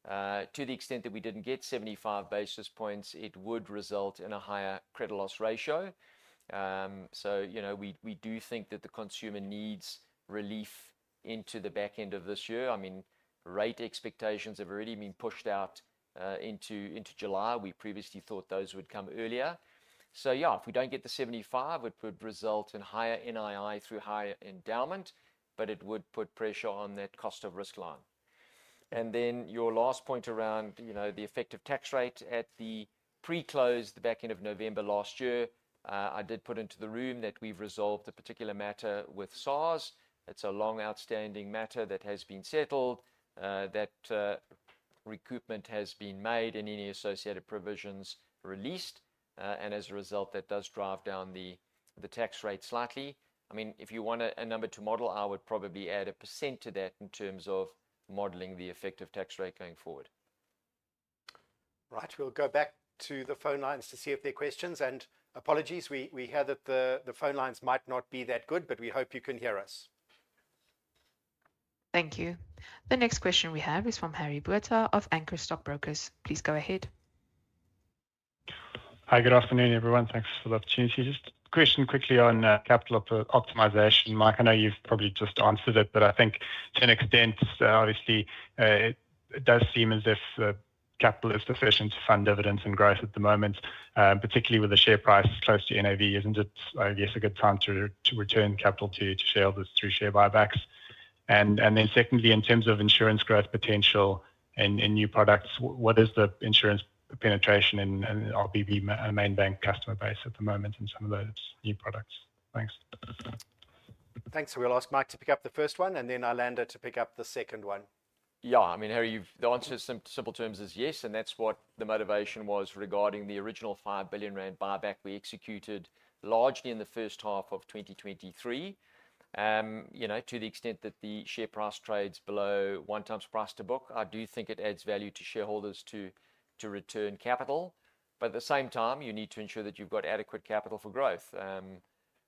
To the extent that we didn't get 75 basis points, it would result in a higher credit loss ratio. So, you know, we do think that the consumer needs relief into the back end of this year. I mean, rate expectations have already been pushed out into July. We previously thought those would come earlier. So yeah, if we don't get the 75, it would result in higher NII through higher endowment, but it would put pressure on that cost of risk line. And then your last point around, you know, the effective tax rate at the pre-close, the back end of November last year, I did put into the room that we've resolved a particular matter with SARS. It's a long-outstanding matter that has been settled, that recoupment has been made and any associated provisions released. As a result, that does drive down the tax rate slightly. I mean, if you wanted a number to model, I would probably add 1% to that in terms of modeling the effective tax rate going forward. Right. We'll go back to the phone lines to see if there are questions, and apologies, we hear that the phone lines might not be that good, but we hope you can hear us. Thank you. The next question we have is from Harry Botha of Anchor Stockbrokers. Please go ahead. Hi, good afternoon, everyone. Thanks for the opportunity. Just a question quickly on capital optimization. Mike, I know you've probably just answered it, but I think to an extent, obviously, it does seem as if capital is sufficient to fund dividends and growth at the moment. Particularly with the share price close to NAV, isn't it, I guess, a good time to return capital to shareholders through share buybacks? And then secondly, in terms of insurance growth potential and new products, what is the insurance penetration in RBB mainstream customer base at the moment in some of those new products? Thanks. Thanks. We'll ask Mike to pick up the first one, and then Anél to pick up the second one. Yeah, I mean, Harry, you've... The answer in simple terms is yes, and that's what the motivation was regarding the original 5 billion rand buyback we executed largely in the first half of 2023. You know, to the extent that the share price trades below 1x price to book, I do think it adds value to shareholders to return capital, but at the same time, you need to ensure that you've got adequate capital for growth.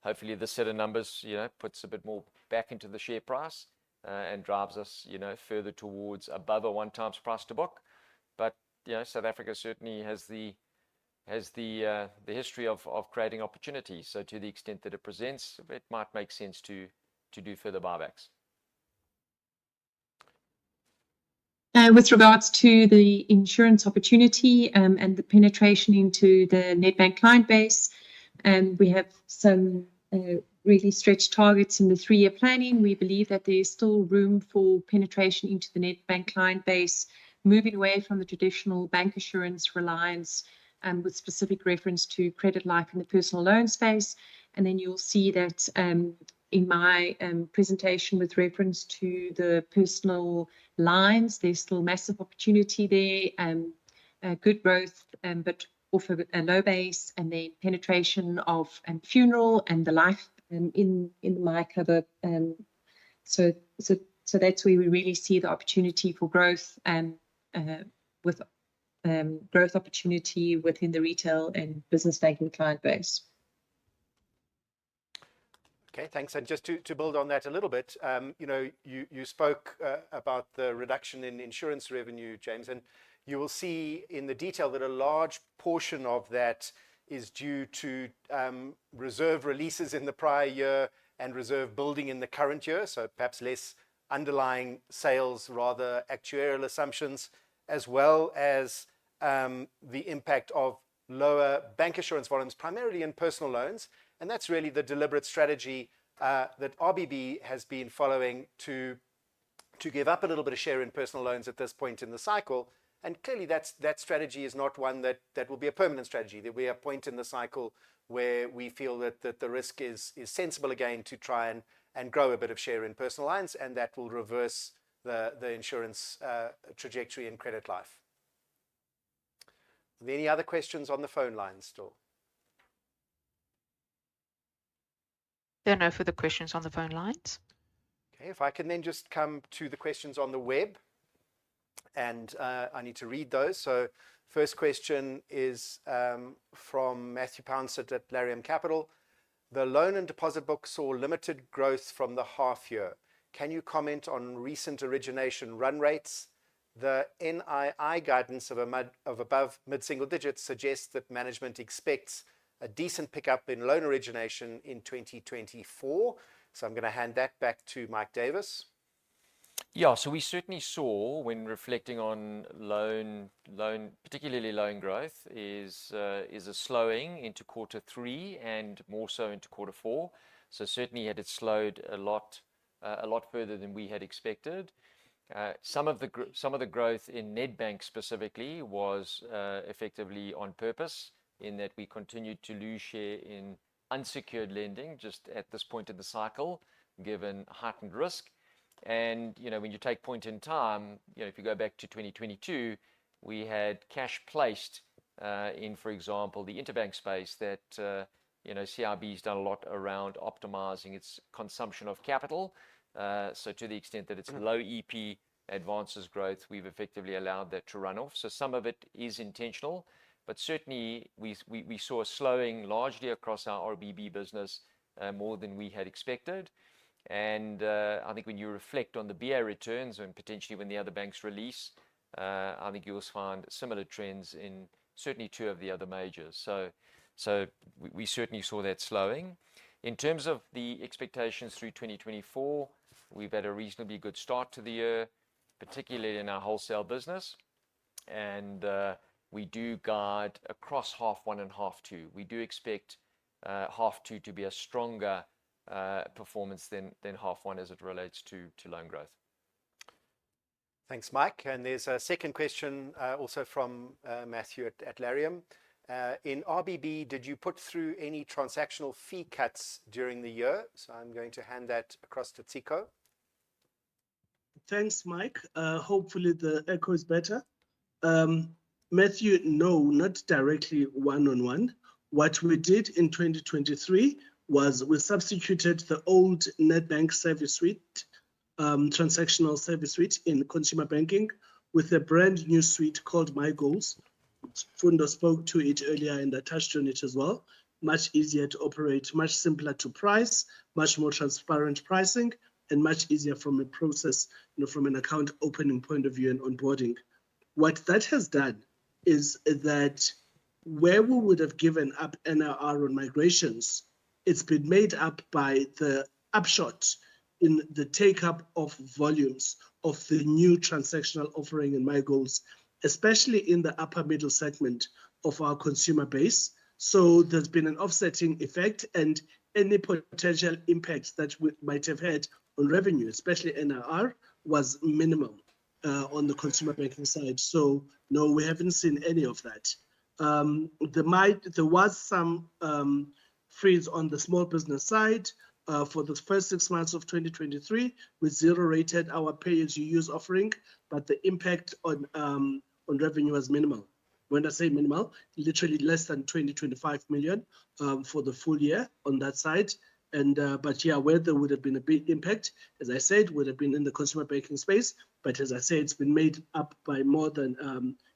Hopefully, this set of numbers, you know, puts a bit more back into the share price, and drives us, you know, further towards above a 1x price to book. But, you know, South Africa certainly has the history of creating opportunities. So to the extent that it presents, it might make sense to do further buybacks. With regards to the insurance opportunity, and the penetration into the Nedbank client base, we have some really stretched targets in the three-year planning. We believe that there is still room for penetration into the Nedbank client base, moving away from the traditional bank insurance reliance, with specific reference to credit life and the personal loan space. And then you'll see that, in my presentation, with reference to the personal lines, there's still massive opportunity there, good growth, but off of a low base, and then penetration of funeral and the life in MyCover. So that's where we really see the opportunity for growth, with growth opportunity within the Retail and Business Banking client base. Okay, thanks. And just to build on that a little bit, you know, you spoke about the reduction in insurance revenue, James, and you will see in the detail that a large portion of that is due to reserve releases in the prior year and reserve building in the current year. So perhaps less underlying sales, rather actuarial assumptions, as well as the impact of lower bank assurance volumes, primarily in personal loans. And that's really the deliberate strategy that RBB has been following to give up a little bit of share in personal loans at this point in the cycle. Clearly, that's that strategy is not one that will be a permanent strategy, that we are at a point in the cycle where we feel that the risk is sensible again to try and grow a bit of share in personal loans, and that will reverse the insurance trajectory and credit life. Are there any other questions on the phone lines still? There are no further questions on the phone lines. Okay, if I can then just come to the questions on the web, and, I need to read those. So first question is, from Matthew Pouncett at Laurium Capital: The loan and deposit books saw limited growth from the half year. Can you comment on recent origination run rates? The NII guidance of a mid, of above mid-single digits suggests that management expects a decent pickup in loan origination in 2024. So I'm gonna hand that back to Mike Davis. Yeah, so we certainly saw, when reflecting on loan, particularly loan growth, is a slowing into quarter three and more so into quarter four. So certainly had it slowed a lot, a lot further than we had expected. Some of the growth in Nedbank specifically was effectively on purpose, in that we continued to lose share in unsecured lending, just at this point in the cycle, given heightened risk. And, you know, when you take point in time-... you know, if you go back to 2022, we had cash placed, in, for example, the interbank space that, you know, CIB's done a lot around optimizing its consumption of capital. So to the extent that it's low EP advances growth, we've effectively allowed that to run off. So some of it is intentional, but certainly we saw a slowing largely across our RBB business, more than we had expected. I think when you reflect on the BA returns and potentially when the other banks release, I think you'll find similar trends in certainly two of the other majors. So we certainly saw that slowing. In terms of the expectations through 2024, we've had a reasonably good start to the year, particularly in our wholesale business, and we do guide across half one and half two. We do expect half two to be a stronger performance than half one as it relates to loan growth. Thanks, Mike. And there's a second question, also from Matthew at Laurium. "In RBB, did you put through any transactional fee cuts during the year?" So I'm going to hand that across to Ciko. Thanks, Mike. Hopefully the echo is better. Matthew, no, not directly one-on-one. What we did in 2023 was we substituted the old Nedbank service suite, transactional service suite in consumer banking with a brand-new suite called MiGoals. Mfundo spoke to it earlier, and I touched on it as well. Much easier to operate, much simpler to price, much more transparent pricing, and much easier from a process, you know, from an account opening point of view and onboarding. What that has done is that where we would've given up NIR on migrations, it's been made up by the upshot in the take-up of volumes of the new transactional offering in MiGoals, especially in the upper middle segment of our consumer base. So there's been an offsetting effect, and any potential impact that might have had on revenue, especially NIR, was minimal on the consumer banking side. So no, we haven't seen any of that. There was some freeze on the small business side. For the first six months of 2023, we zero-rated our Pay-as-you-use offering, but the impact on revenue was minimal. When I say minimal, literally less than 20 million-25 million for the full year on that side. But yeah, where there would've been a big impact, as I said, would've been in the consumer banking space. But as I said, it's been made up by more than,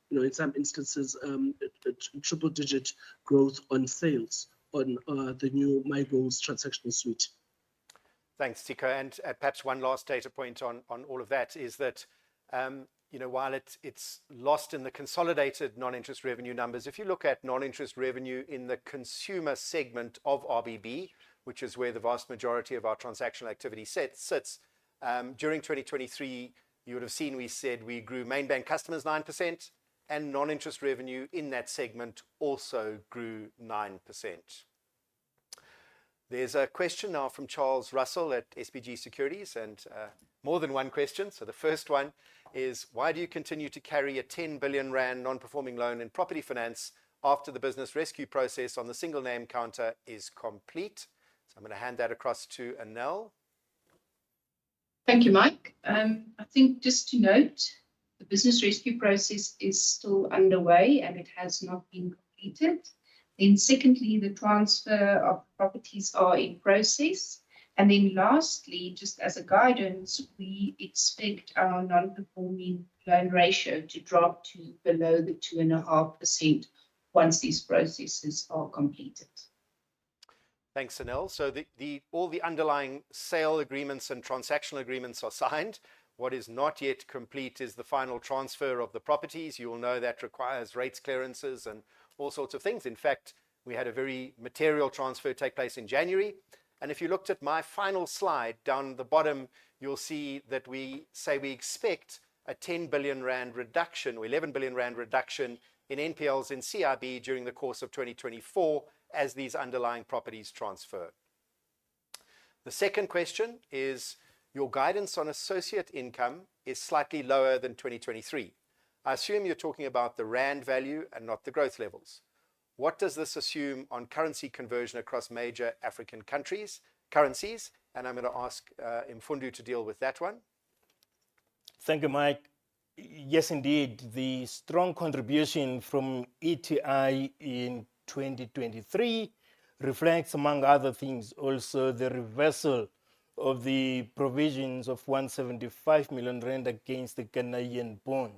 you know, in some instances, a double-digit growth on sales on the new MiGoals transactional suite. Thanks, Ciko. And, perhaps one last data point on, on all of that is that, you know, while it's, it's lost in the consolidated non-interest revenue numbers, if you look at non-interest revenue in the consumer segment of RBB, which is where the vast majority of our transactional activity set sits, during 2023, you would've seen we said we grew main bank customers 9%, and non-interest revenue in that segment also grew 9%. There's a question now from Charles Russell at SBG Securities, and, more than one question. So the first one is, "Why do you continue to carry a 10 billion rand non-performing loan in property finance after the business rescue process on the single name counter is complete?" So I'm gonna hand that across to Anél. Thank you, Mike. I think just to note, the business rescue process is still underway, and it has not been completed. Then secondly, the transfer of properties are in process. And then lastly, just as a guidance, we expect our non-performing loan ratio to drop to below the 2.5% once these processes are completed. Thanks, Anél. So the all the underlying sale agreements and transactional agreements are signed. What is not yet complete is the final transfer of the properties. You will know that requires rates, clearances, and all sorts of things. In fact, we had a very material transfer take place in January. And if you looked at my final slide, down at the bottom, you'll see that we say we expect a 10 billion rand reduction or 11 billion rand reduction in NPLs in CIB during the course of 2024 as these underlying properties transfer. The second question is, "Your guidance on associate income is slightly lower than 2023." I assume you're talking about the rand value and not the growth levels. "What does this assume on currency conversion across major African countries, currencies?" And I'm gonna ask Mfundo to deal with that one. Thank you, Mike. Yes, indeed. The strong contribution from ETI in 2023 reflects, among other things, also the reversal of the provisions of 175 million rand against the Ghanaian bond.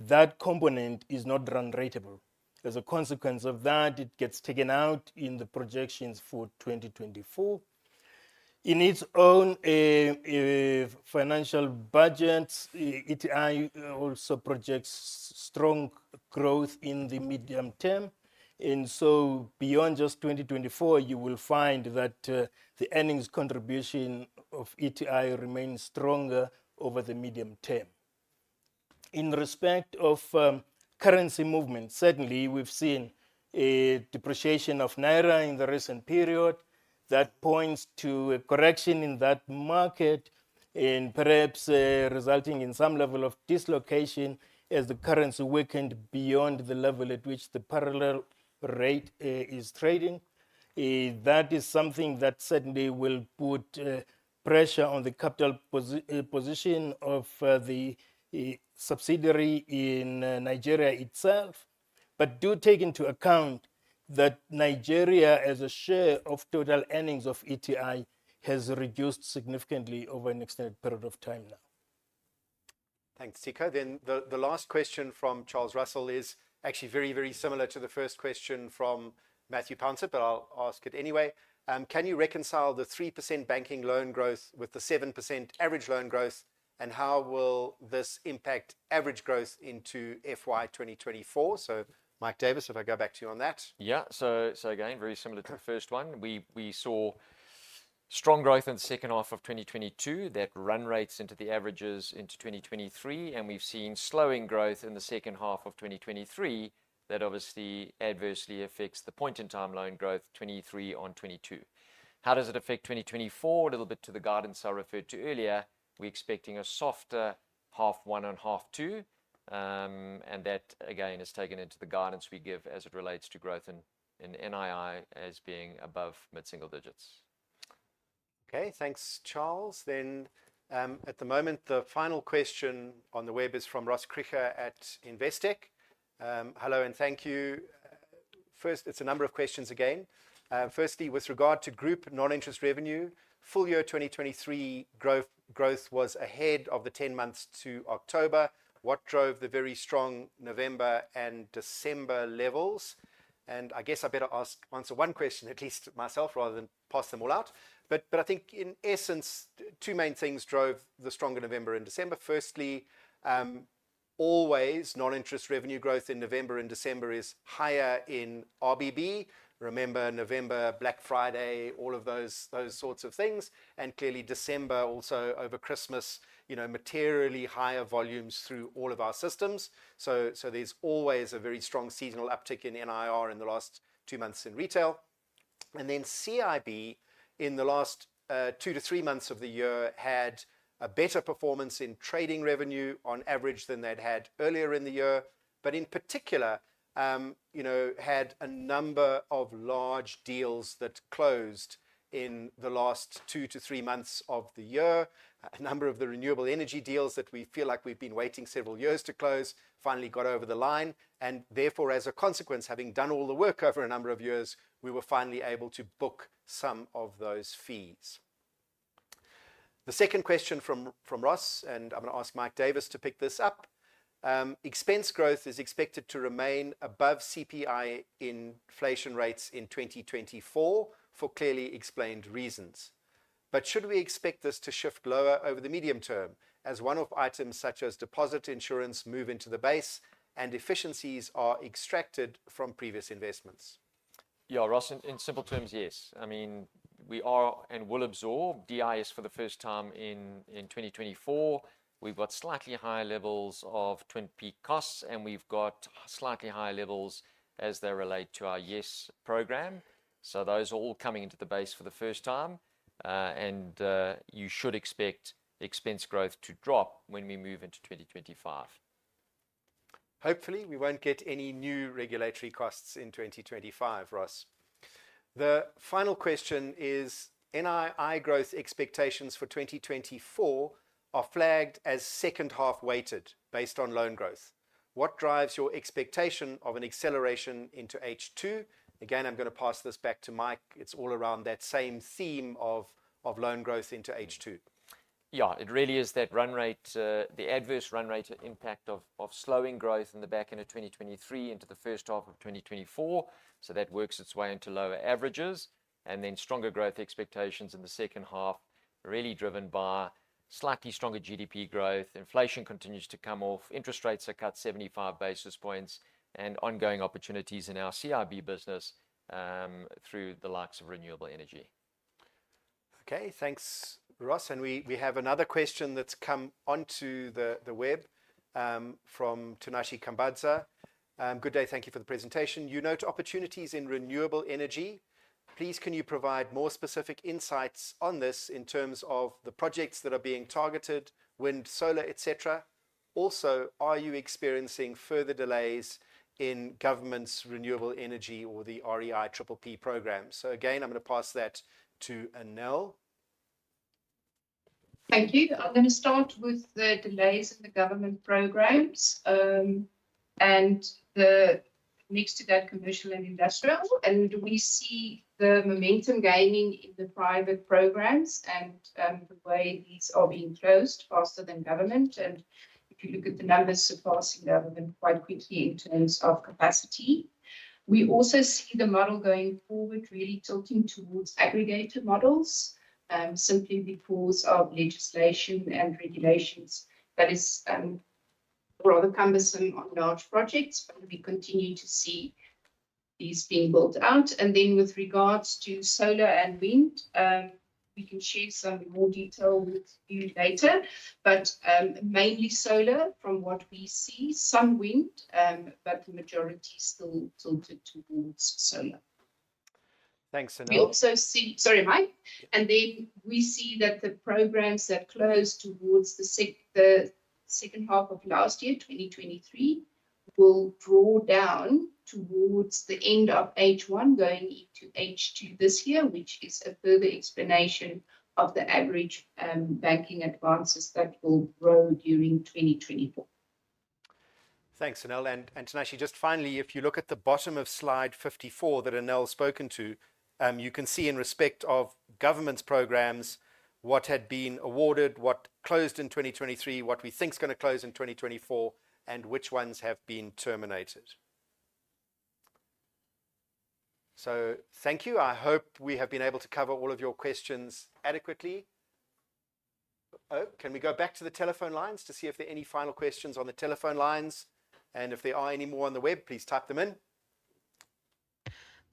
That component is not rand ratable. As a consequence of that, it gets taken out in the projections for 2024. In its own, financial budget, ETI also projects strong growth in the medium term. And so beyond just 2024, you will find that, the earnings contribution of ETI remains stronger over the medium term. In respect of, currency movement, certainly we've seen a depreciation of naira in the recent period that points to a correction in that market and perhaps, resulting in some level of dislocation as the currency weakened beyond the level at which the parallel rate, is trading. That is something that certainly will put pressure on the capital position of the subsidiary in Nigeria itself.... but do take into account that Nigeria, as a share of total earnings of ETI, has reduced significantly over an extended period of time now. Thanks, Ciko. Then the last question from Charles Russell is actually very, very similar to the first question from Matthew Pouncett, but I'll ask it anyway. Can you reconcile the 3% banking loan growth with the 7% average loan growth, and how will this impact average growth into FY 2024? So Mike Davis, if I go back to you on that. Yeah. So, so again, very similar to the first one. We saw strong growth in the second half of 2022 that run rates into the averages into 2023, and we've seen slowing growth in the second half of 2023 that obviously adversely affects the point-in-time loan growth 2023 on 2022. How does it affect 2024? A little bit to the guidance I referred to earlier, we're expecting a softer half one and half two. And that, again, is taken into the guidance we give as it relates to growth in NII as being above mid-single digits. Okay. Thanks, Charles. Then, at the moment, the final question on the web is from Ross Krige at Investec. Hello, and thank you. First, it's a number of questions again. Firstly, with regard to group non-interest revenue, full year 2023 growth was ahead of the 10 months to October. What drove the very strong November and December levels? And I guess I better ask, answer one question at least myself, rather than pass them all out. But I think in essence, two main things drove the stronger November and December. Firstly, always non-interest revenue growth in November and December is higher in RBB. Remember, November, Black Friday, all of those sorts of things, and clearly December, also over Christmas, you know, materially higher volumes through all of our systems. So, there's always a very strong seasonal uptick in NIR in the last two months in retail. And then CIB, in the last 2-3 months of the year, had a better performance in trading revenue on average than they'd had earlier in the year, but in particular, you know, had a number of large deals that closed in the last 2-3 months of the year. A number of the renewable energy deals that we feel like we've been waiting several years to close finally got over the line, and therefore, as a consequence, having done all the work over a number of years, we were finally able to book some of those fees. The second question from Ross, and I'm going to ask Mike Davis to pick this up. Expense growth is expected to remain above CPI inflation rates in 2024 for clearly explained reasons. But should we expect this to shift lower over the medium term as one-off items such as deposit insurance move into the base and efficiencies are extracted from previous investments? Yeah, Ross, in simple terms, yes. I mean, we are and will absorb DIS for the first time in 2024. We've got slightly higher levels of Twin Peaks costs, and we've got slightly higher levels as they relate to our YES program. So those are all coming into the base for the first time, and you should expect expense growth to drop when we move into 2025. Hopefully, we won't get any new regulatory costs in 2025, Ross. The final question is, NII growth expectations for 2024 are flagged as second-half weighted based on loan growth. What drives your expectation of an acceleration into H2? Again, I'm going to pass this back to Mike. It's all around that same theme of, of loan growth into H2. Yeah, it really is that run rate, the adverse run rate impact of slowing growth in the back end of 2023 into the first half of 2024. So that works its way into lower averages, and then stronger growth expectations in the second half, really driven by slightly stronger GDP growth. Inflation continues to come off, interest rates are cut 75 basis points, and ongoing opportunities in our CIB business, through the likes of renewable energy. Okay, thanks, Ross. We have another question that's come onto the web from Tinashe Kambadza. "Good day. Thank you for the presentation. You note opportunities in renewable energy. Please, can you provide more specific insights on this in terms of the projects that are being targeted, wind, solar, et cetera? Also, are you experiencing further delays in government's renewable energy or the REIPPP program?" So again, I'm going to pass that to Anél. Thank you. I'm going to start with the delays in the government programs, and the next to that, commercial and industrial. And we see the momentum gaining in the private programs and, the way these are being closed faster than government. And if you look at the numbers, surpassing government quite quickly in terms of capacity. We also see the model going forward really tilting towards aggregator models, simply because of legislation and regulations that is, rather cumbersome on large projects, but we continue to see these being built out. And then with regards to solar and wind, we can share some more detail with you later, but, mainly solar from what we see, some wind, but the majority still tilted towards solar. Thanks, Anél. We also see... Sorry, Mike. And then we see that the programs that closed towards the second half of last year, 2023, will draw down towards the end of H1 going into H2 this year, which is a further explanation of the average banking advances that will grow during 2024.... Thanks, Anél. And, and Tinashe, just finally, if you look at the bottom of slide 54 that Anél spoken to, you can see in respect of government's programs, what had been awarded, what closed in 2023, what we think is gonna close in 2024, and which ones have been terminated. So thank you. I hope we have been able to cover all of your questions adequately. Oh, can we go back to the telephone lines to see if there are any final questions on the telephone lines? And if there are any more on the web, please type them in.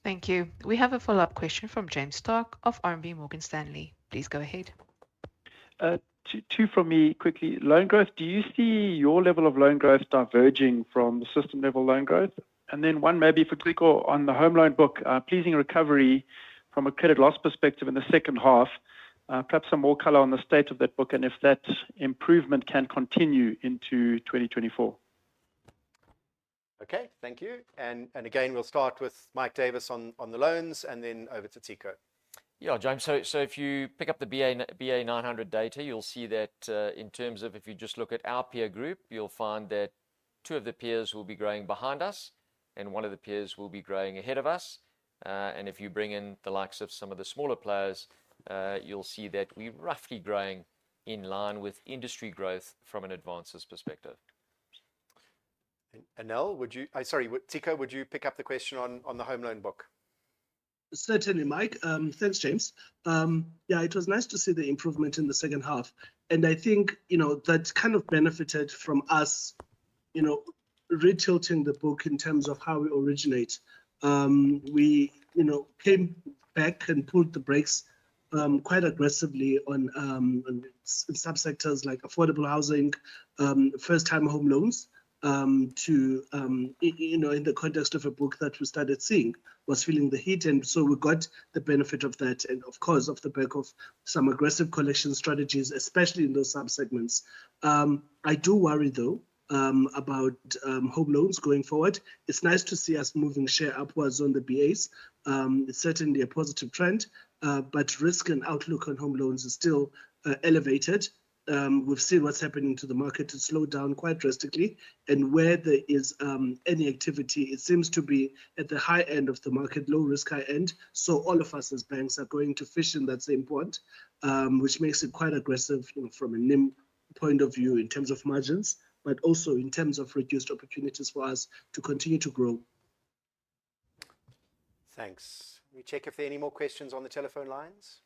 Thank you. We have a follow-up question from James Starke of RMB Morgan Stanley. Please go ahead. Two, two from me quickly. Loan growth, do you see your level of loan growth diverging from the system level loan growth? Then one maybe for Ciko on the home loan book, pleasing recovery from a credit loss perspective in the second half. Perhaps some more color on the state of that book and if that improvement can continue into 2024. Okay, thank you. And again, we'll start with Mike Davis on the loans, and then over to Ciko. Yeah, James, so if you pick up the BA900 data, you'll see that in terms of if you just look at our peer group, you'll find that two of the peers will be growing behind us and one of the peers will be growing ahead of us. And if you bring in the likes of some of the smaller players, you'll see that we're roughly growing in line with industry growth from an advances perspective. And Anél, would you? Sorry, Ciko, would you pick up the question on, on the home loan book? Certainly, Mike. Thanks, James. Yeah, it was nice to see the improvement in the second half, and I think, you know, that's kind of benefited from us, you know, re-tilting the book in terms of how we originate. We, you know, came back and pulled the brakes quite aggressively on subsectors like affordable housing, first-time home loans, you know, in the context of a book that we started seeing was feeling the heat. And so we got the benefit of that, and of course, off the back of some aggressive collection strategies, especially in those subsegments. I do worry, though, about home loans going forward. It's nice to see us moving share upwards on the BAs. It's certainly a positive trend, but risk and outlook on home loans is still elevated. We've seen what's happening to the market. It's slowed down quite drastically, and where there is any activity, it seems to be at the high end of the market, low risk, high end. So all of us as banks are going to fish in that same point, which makes it quite aggressive from a NIM point of view in terms of margins, but also in terms of reduced opportunities for us to continue to grow. Thanks. Let me check if there are any more questions on the telephone lines.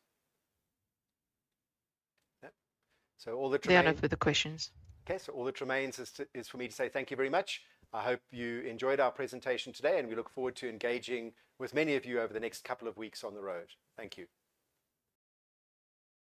Nope. So all that remains- There are no further questions. Okay, so all that remains is for me to say thank you very much. I hope you enjoyed our presentation today, and we look forward to engaging with many of you over the next couple of weeks on the road. Thank you.